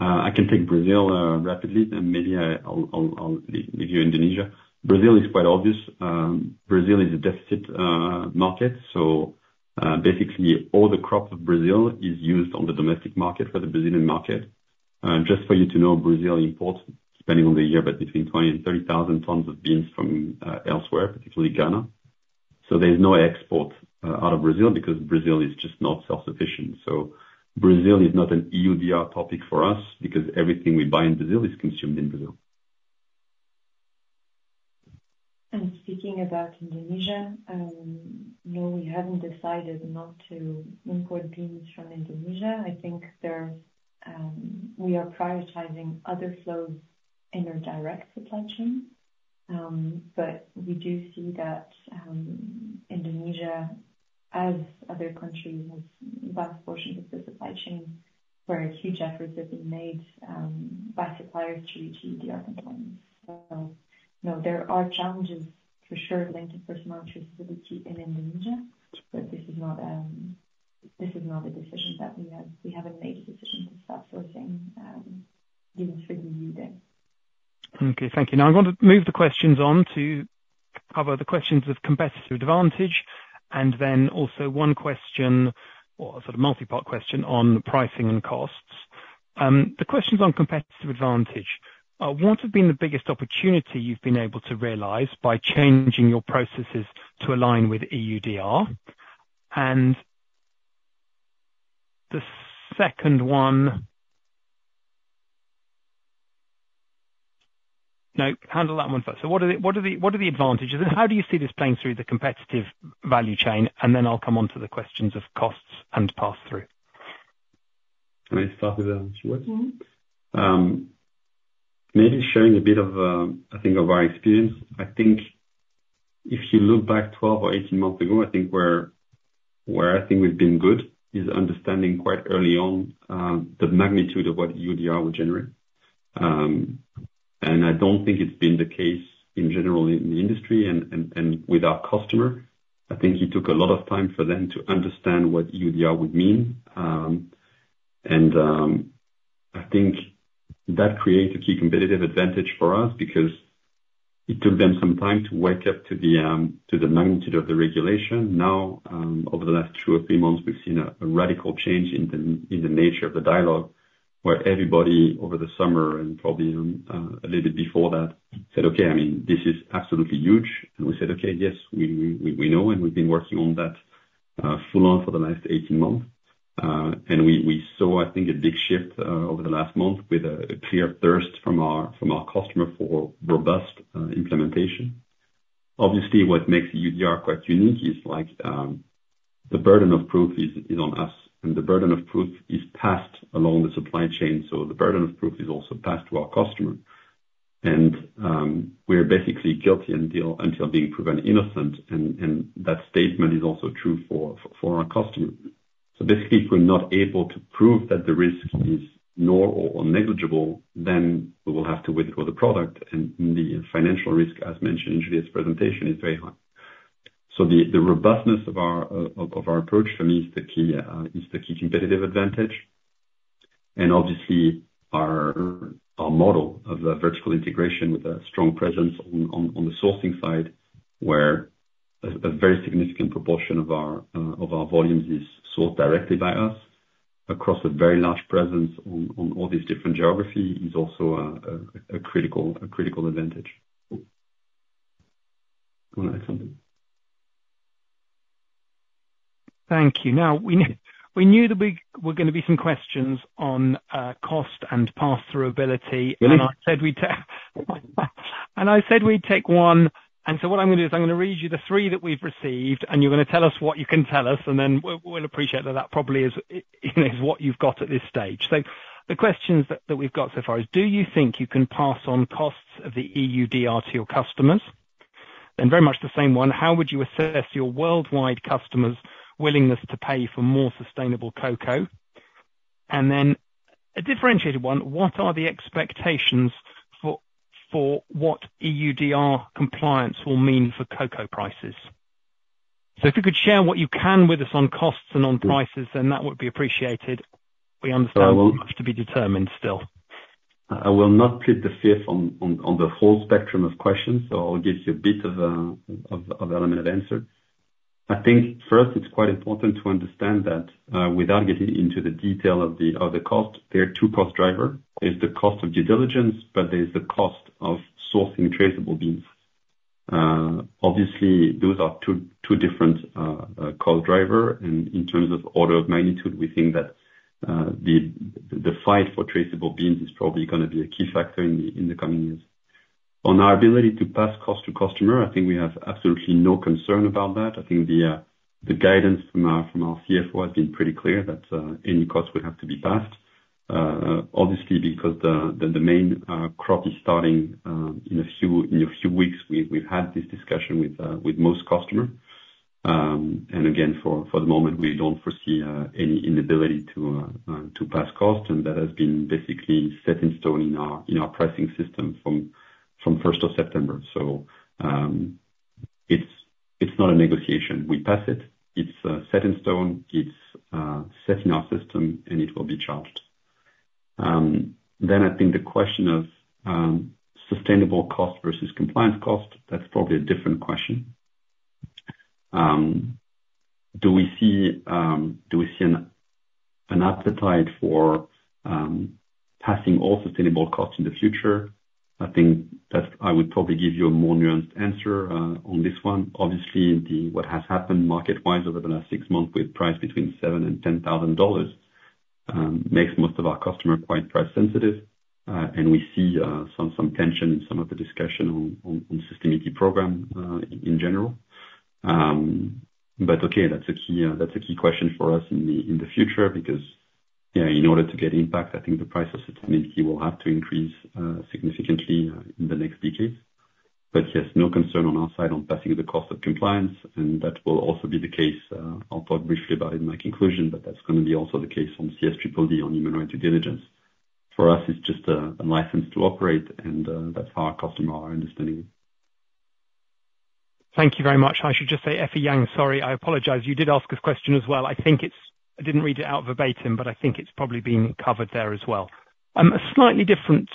I can take Brazil rapidly, and maybe I'll leave you Indonesia. Brazil is quite obvious. Brazil is a deficit market, so basically, all the crops of Brazil is used on the domestic market for the Brazilian market. Just for you to know, Brazil imports, depending on the year, but between 20 and 30 thousand tons of beans from elsewhere, particularly Ghana. So there's no export out of Brazil, because Brazil is just not self-sufficient. So Brazil is not an EUDR topic for us, because everything we buy in Brazil is consumed in Brazil. Speaking about Indonesia, no, we haven't decided not to import beans from Indonesia. I think there. We are prioritizing other flows in our direct supply chain. But we do see that Indonesia, as other countries, with vast portions of the supply chain, where huge efforts have been made by suppliers to the other countries. So no, there are challenges, for sure, linked to first mile traceability in Indonesia, but this is not a decision that we have made. We haven't made a decision to stop sourcing beans from Indonesia then. Okay, thank you. Now, I'm going to move the questions on to cover the questions of competitive advantage, and then also one question, or a sort of multi-part question, on pricing and costs. The questions on competitive advantage: what have been the biggest opportunity you've been able to realize by changing your processes to align with EUDR? And the second one... No, handle that one first. So what are the advantages, and how do you see this playing through the competitive value chain? And then I'll come on to the questions of costs and pass-through. May I start with that, Juliette? Mm-hmm. Maybe sharing a bit of, I think of our experience. I think if you look back twelve or eighteen months ago, I think where we've been good is understanding quite early on the magnitude of what EUDR would generate. And I don't think it's been the case in general in the industry, and with our customer. I think it took a lot of time for them to understand what EUDR would mean. And I think that created a key competitive advantage for us, because it took them some time to wake up to the magnitude of the regulation. Now, over the last two or three months, we've seen a radical change in the nature of the dialogue, where everybody over the summer, and probably a little bit before that, said, "Okay, I mean, this is absolutely huge." And we said, "Okay, yes, we know, and we've been working on that full on for the last 18 months." And we saw, I think, a big shift over the last month, with a clear thirst from our customer for robust implementation. Obviously, what makes EUDR quite unique is like the burden of proof is on us, and the burden of proof is passed along the supply chain, so the burden of proof is also passed to our customer. We are basically guilty until being proven innocent, and that statement is also true for our customers. So basically, if we're not able to prove that the risk is normal or negligible, then we will have to withdraw the product, and the financial risk, as mentioned in Juliette's presentation, is very high. So the robustness of our approach for me is the key competitive advantage, and obviously, our model of the vertical integration with a strong presence on the sourcing side, where a very significant proportion of our volumes is sourced directly by us, across a very large presence on all these different geography, is also a critical advantage. You wanna add something? Thank you. Now, we knew that we were gonna be some questions on, cost and pass-through ability- Really? And I said we'd take one, and so what I'm gonna do is I'm gonna read you the three that we've received, and you're gonna tell us what you can tell us, and then we'll appreciate that. That probably is what you've got at this stage. So the questions that we've got so far is: Do you think you can pass on costs of the EUDR to your customers? Then very much the same one, how would you assess your worldwide customers' willingness to pay for more sustainable cocoa? And then a differentiated one, what are the expectations for what EUDR compliance will mean for cocoa prices? So if you could share what you can with us on costs and on prices, then that would be appreciated. We understand- I will- Much to be determined, still. I will not plead the Fifth on the whole spectrum of questions, so I'll give you a bit of element of answer. I think, first, it's quite important to understand that, without getting into the detail of the cost, there are two cost driver. There's the cost of due diligence, but there's the cost of sourcing traceable beans. Obviously, those are two different cost driver, and in terms of order of magnitude, we think that the fight for traceable beans is probably gonna be a key factor in the coming years. On our ability to pass cost to customer, I think we have absolutely no concern about that. I think the guidance from our CFO has been pretty clear, that any cost will have to be passed obviously, because the main crop is starting in a few weeks. We've had this discussion with most customer, and again, for the moment, we don't foresee any inability to pass cost, and that has been basically set in stone in our pricing system from first of September. So, it's not a negotiation. We pass it, it's set in stone, it's set in our system, and it will be charged. Then I think the question of sustainable cost versus compliance cost, that's probably a different question. Do we see an appetite for passing all sustainable costs in the future? I think that I would probably give you a more nuanced answer on this one. Obviously, the, what has happened market-wise over the last six months, with price between $7,000-$10,000, makes most of our customers quite price sensitive, and we see some tension in some of the discussion on sustainability program in general. But okay, that's a key question for us in the future, because, yeah, in order to get impact, I think the price of sustainability will have to increase significantly in the next decade. But yes, no concern on our side on passing the cost of compliance, and that will also be the case. I'll talk briefly about it in my conclusion, but that's gonna be also the case on CSG body, on human rights due diligence. For us, it's just a, a license to operate, and that's how our customer are understanding. Thank you very much. I should just say, Effie Yang, sorry, I apologize, you did ask a question as well. I think it's... I didn't read it out verbatim, but I think it's probably been covered there as well. A slightly different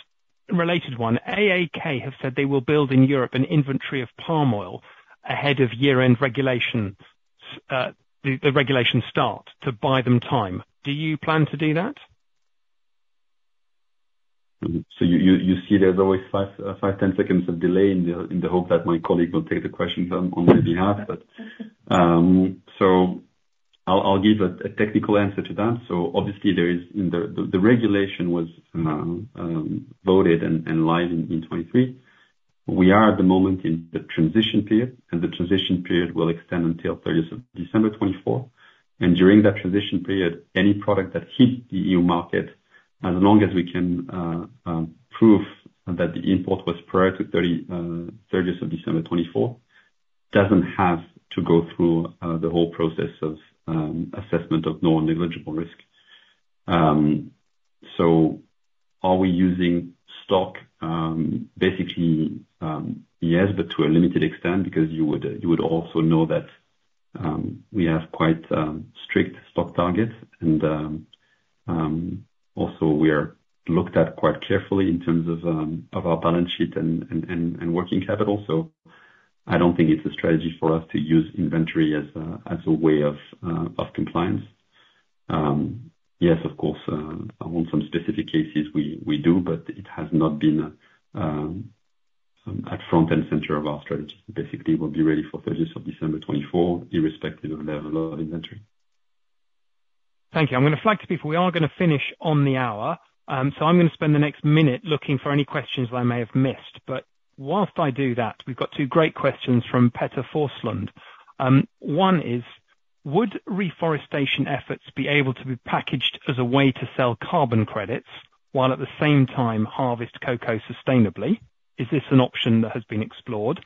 related one. AAK have said they will build in Europe an inventory of palm oil ahead of year-end regulations, the regulations start, to buy them time. Do you plan to do that? So you see there's always five, ten seconds of delay in the hope that my colleague will take the question from on my behalf, but so I'll give a technical answer to that. So obviously, the regulation was voted and live in 2023. We are, at the moment, in the transition period, and the transition period will extend until thirtieth of December 2024, and during that transition period, any product that hits the EU market, as long as we can prove that the import was prior to thirtieth of December 2024, doesn't have to go through the whole process of assessment of non-negligible risk. So are we using stock? Basically, yes, but to a limited extent, because you would also know that we have quite strict stock targets, and also we are looked at quite carefully in terms of our balance sheet and working capital. So I don't think it's a strategy for us to use inventory as a way of compliance. Yes, of course, on some specific cases we do, but it has not been at front and center of our strategy. Basically, we'll be ready for thirtieth of December 2024, irrespective of level of inventory. Thank you. I'm gonna flag to people, we are gonna finish on the hour, so I'm gonna spend the next minute looking for any questions I may have missed, but while I do that, we've got two great questions from Peter Forslund. One is, "Would reforestation efforts be able to be packaged as a way to sell carbon credits, while at the same time harvest cocoa sustainably? Is this an option that has been explored?"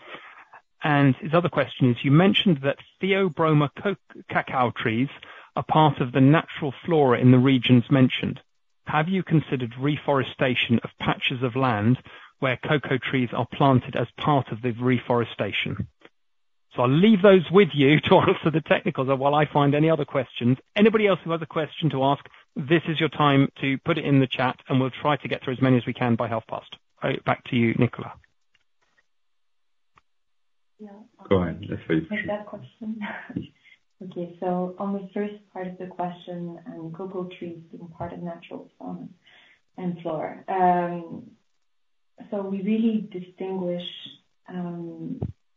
And his other question is, "You mentioned that Theobroma cacao, cacao trees, are part of the natural flora in the regions mentioned... Have you considered reforestation of patches of land where cocoa trees are planted as part of the reforestation?" So I'll leave those with you to answer the technical, while I find any other questions. Anybody else who has a question to ask, this is your time to put it in the chat, and we'll try to get through as many as we can by half past. Back to you, Nicolas. Yeah. Go ahead, Leslie. That question? Okay. So on the first part of the question, cocoa trees being part of natural fauna and flora. So we really distinguish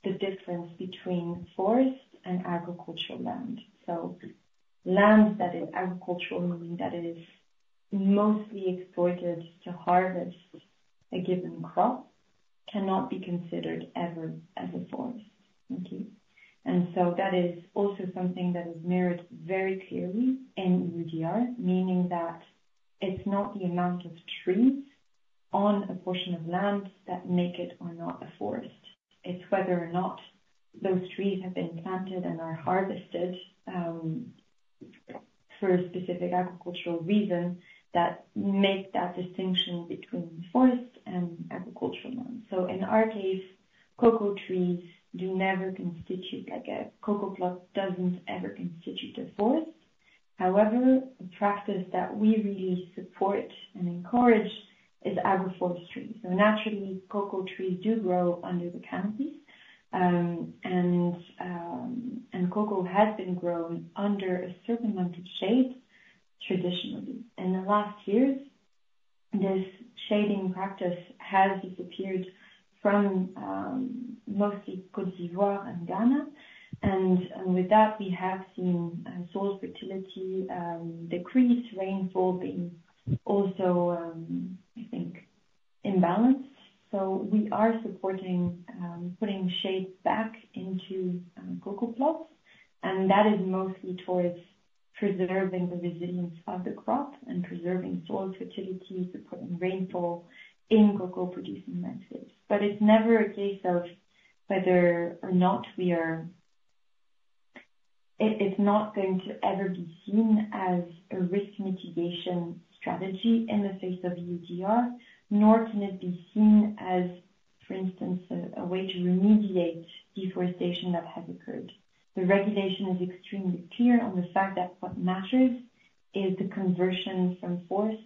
the difference between forest and agricultural land. So land that is agricultural, meaning that it is mostly exploited to harvest a given crop, cannot be considered ever as a forest. Okay. And so that is also something that is mirrored very clearly in EUDR, meaning that it's not the amount of trees on a portion of land that make it or not a forest. It's whether or not those trees have been planted and are harvested for a specific agricultural reason, that make that distinction between forest and agricultural land. So in our case, cocoa trees do never constitute, like a cocoa plot doesn't ever constitute a forest. However, the practice that we really support and encourage is agroforestry. Naturally, cocoa trees do grow under the canopy. Cocoa has been grown under a certain amount of shade traditionally. In the last years, this shading practice has disappeared from, mostly Côte d'Ivoire and Ghana, and with that, we have seen soil fertility decrease, rainfall being also, I think, imbalanced. We are supporting putting shade back into cocoa plots, and that is mostly towards preserving the resilience of the crop and preserving soil fertility, supporting rainfall in cocoa-producing landscapes. It's never a case of whether or not we are. It, it's not going to ever be seen as a risk mitigation strategy in the face of EUDR, nor can it be seen as, for instance, a way to remediate deforestation that has occurred. The regulation is extremely clear on the fact that what matters is the conversion from forest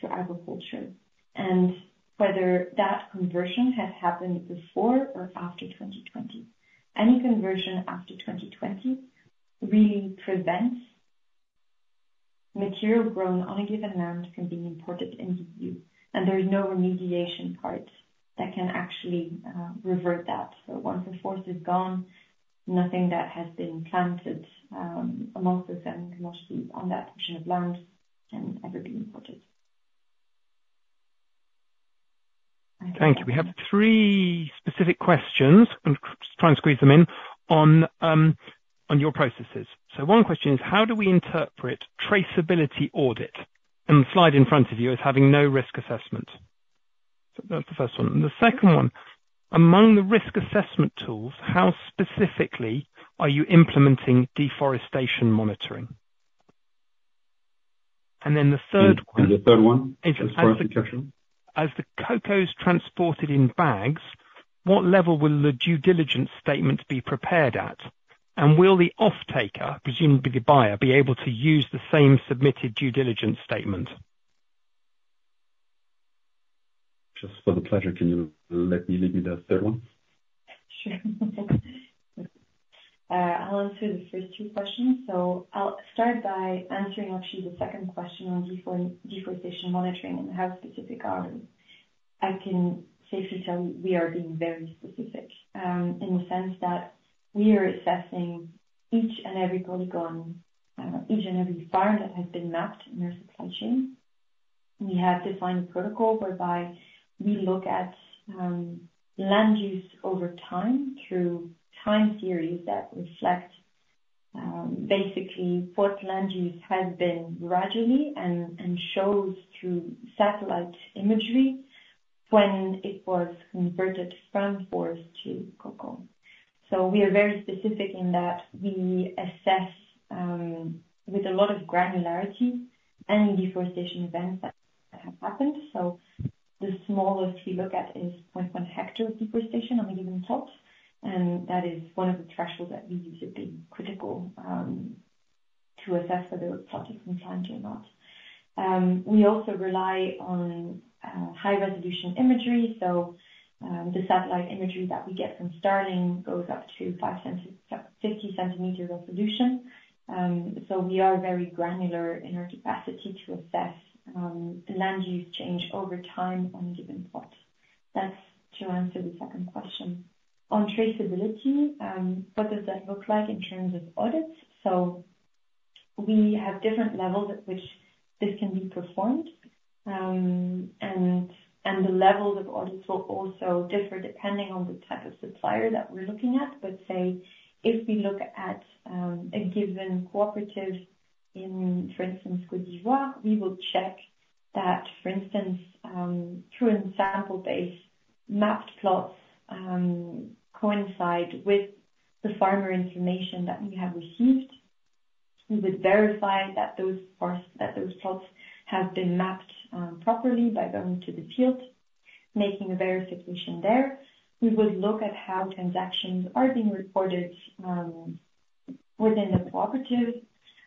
to agriculture, and whether that conversion has happened before or after 2020. Any conversion after 2020 really prevents material grown on a given land from being imported into EU, and there is no remediation part that can actually revert that, so once a forest is gone, nothing that has been planted among it and mostly on that portion of land, can ever be imported. Thank you. We have three specific questions. I'm just trying to squeeze them in, on your processes. So one question is, how do we interpret traceability audit? And the slide in front of you is having no risk assessment. So that's the first one. And the second one: Among the risk assessment tools, how specifically are you implementing deforestation monitoring? And then the third one- The third one, just for clarification. As the cocoa is transported in bags, what level will the due diligence statement be prepared at, and will the offtaker, presumably the buyer, be able to use the same submitted due diligence statement? Just for the clarity, can you let me read me the third one? Sure. I'll answer the first two questions. So I'll start by answering actually the second question on deforestation monitoring and how specific are we. I can safely tell you, we are being very specific, in the sense that we are assessing each and every polygon, each and every farm that has been mapped in our supply chain. We have defined a protocol whereby we look at land use over time through time series that reflect basically what land use has been gradually and shows through satellite imagery when it was converted from forest to cocoa. So we are very specific in that we assess with a lot of granularity any deforestation events that have happened. The smallest we look at is 0.1 hectare of deforestation on a given plot, and that is one of the thresholds that we use to be critical, to assess whether a plot is compliant or not. We also rely on high-resolution imagery, the satellite imagery that we get from Starling goes up to fifty centimeter resolution. We are very granular in our capacity to assess land use change over time on a given plot. That's to answer the second question. On traceability, what does that look like in terms of audits? We have different levels at which this can be performed, and the levels of audits will also differ depending on the type of supplier that we're looking at. But say, if we look at a given cooperative in, for instance, Côte d'Ivoire, we will check that, for instance, through a sample base, mapped plots coincide with the farmer information that we have received. We would verify that those plots, that those plots have been mapped properly by going to the field, making a verification there. We would look at how transactions are being recorded within the cooperative,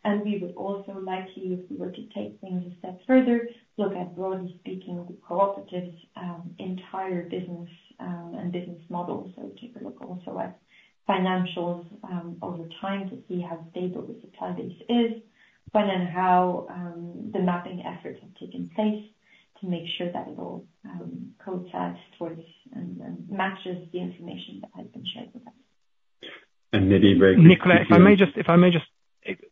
and we would also likely, if we were to take things a step further, look at, broadly speaking, the cooperative's entire business and business model. So take a look also at financials over time to see how stable the supply base is, but then how the mapping efforts have taken place to make sure that it all cross-checks towards and matches the information that has been shared with us. And maybe very- Nicolas, if I may just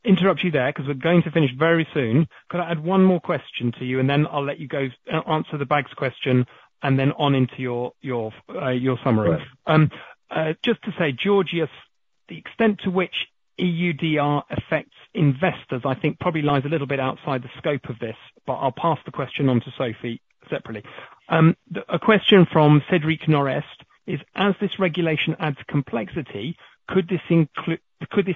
interrupt you there, 'cause we're going to finish very soon. Could I add one more question to you, and then I'll let you go answer the bags question, and then on into your summary? Sure. Just to say, Georgios, the extent to which EUDR affects investors, I think probably lies a little bit outside the scope of this, but I'll pass the question on to Sophie separately. A question from Cedric Norest is: As this regulation adds complexity, could this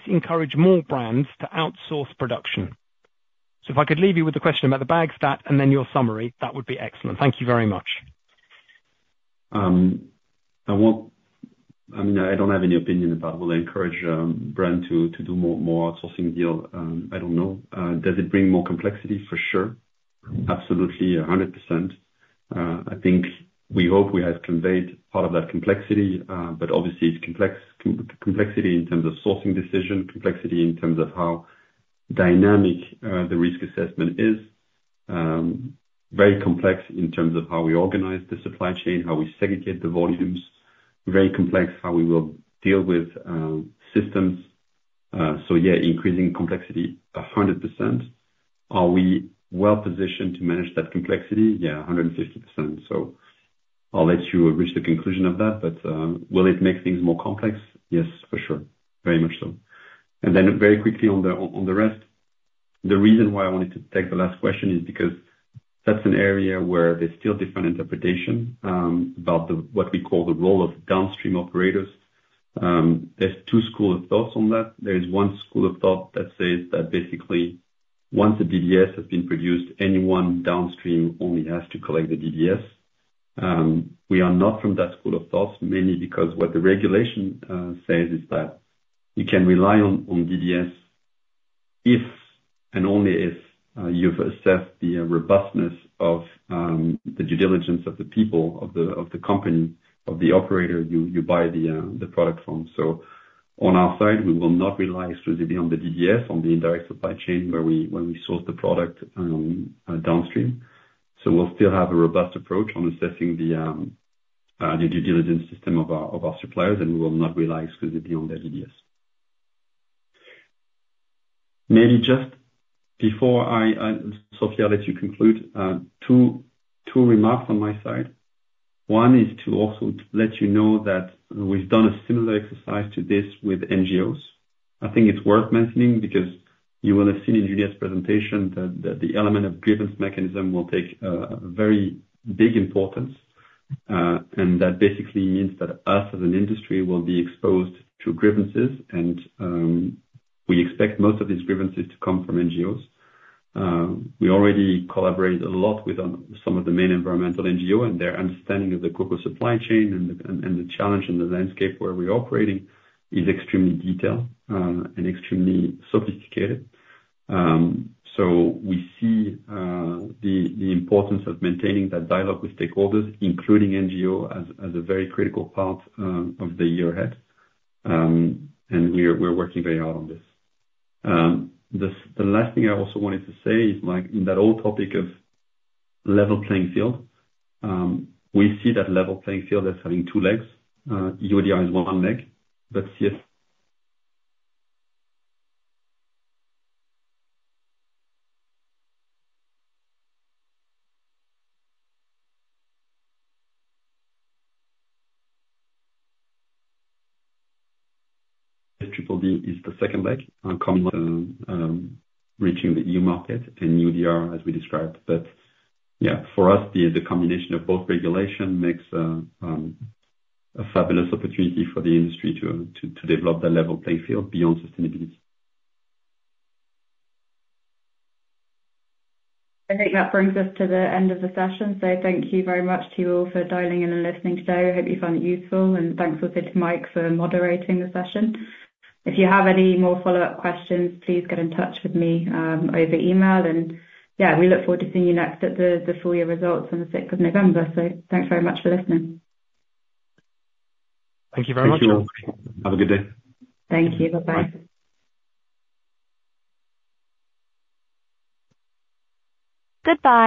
encourage more brands to outsource production? So if I could leave you with the question about the bags stat, and then your summary, that would be excellent. Thank you very much. I won't... I mean, I don't have any opinion about will it encourage brand to do more outsourcing deal. I don't know. Does it bring more complexity? For sure. Absolutely, 100%. I think we hope we have conveyed part of that complexity, but obviously it's complexity in terms of sourcing decision, complexity in terms of how dynamic the risk assessment is. Very complex in terms of how we organize the supply chain, how we segregate the volumes. Very complex, how we will deal with systems. So yeah, increasing complexity 100%. Are we well-positioned to manage that complexity? Yeah, 150%. So I'll let you reach the conclusion of that, but will it make things more complex? Yes, for sure. Very much so. And then very quickly on the rest, the reason why I wanted to take the last question is because that's an area where there's still different interpretation about the what we call the role of downstream operators. There's two school of thoughts on that. There's one school of thought that says that basically, once a DDS has been produced, anyone downstream only has to collect the DDS. We are not from that school of thought, mainly because what the regulation says is that you can rely on DDS, if and only if you've assessed the robustness of the due diligence of the people, of the company, of the operator you buy the product from. So on our side, we will not rely exclusively on the DDS, on the indirect supply chain, where we source the product, downstream. So we'll still have a robust approach on assessing the due diligence system of our suppliers, and we will not rely exclusively on their DDS. Maybe just before I, Sophie, I'll let you conclude. Two remarks on my side. One is to also let you know that we've done a similar exercise to this with NGOs. I think it's worth mentioning, because you will have seen in Juliette's presentation that the element of grievance mechanism will take a very big importance, and that basically means that us, as an industry, will be exposed to grievances, and we expect most of these grievances to come from NGOs. We already collaborate a lot with some of the main environmental NGO, and their understanding of the cocoa supply chain and the challenge and the landscape where we're operating is extremely detailed and extremely sophisticated. So we see the importance of maintaining that dialogue with stakeholders, including NGO, as a very critical part of the year ahead. And we're working very hard on this. The last thing I also wanted to say is, like, in that whole topic of level playing field, we see that level playing field as having two legs. EUDR is one leg, but yes... BBB is the second leg, and reaching the EU market and EUDR, as we described. Yeah, for us, the combination of both regulation makes a fabulous opportunity for the industry to develop that level playing field beyond sustainability. I think that brings us to the end of the session. So thank you very much to you all for dialing in and listening today. I hope you found it useful, and thanks also to Mike for moderating the session. If you have any more follow-up questions, please get in touch with me over email. And yeah, we look forward to seeing you next at the full year results on the sixth of November. So thanks very much for listening. Thank you very much. Thank you. Have a good day. Thank you. Bye-bye. Bye. Goodbye.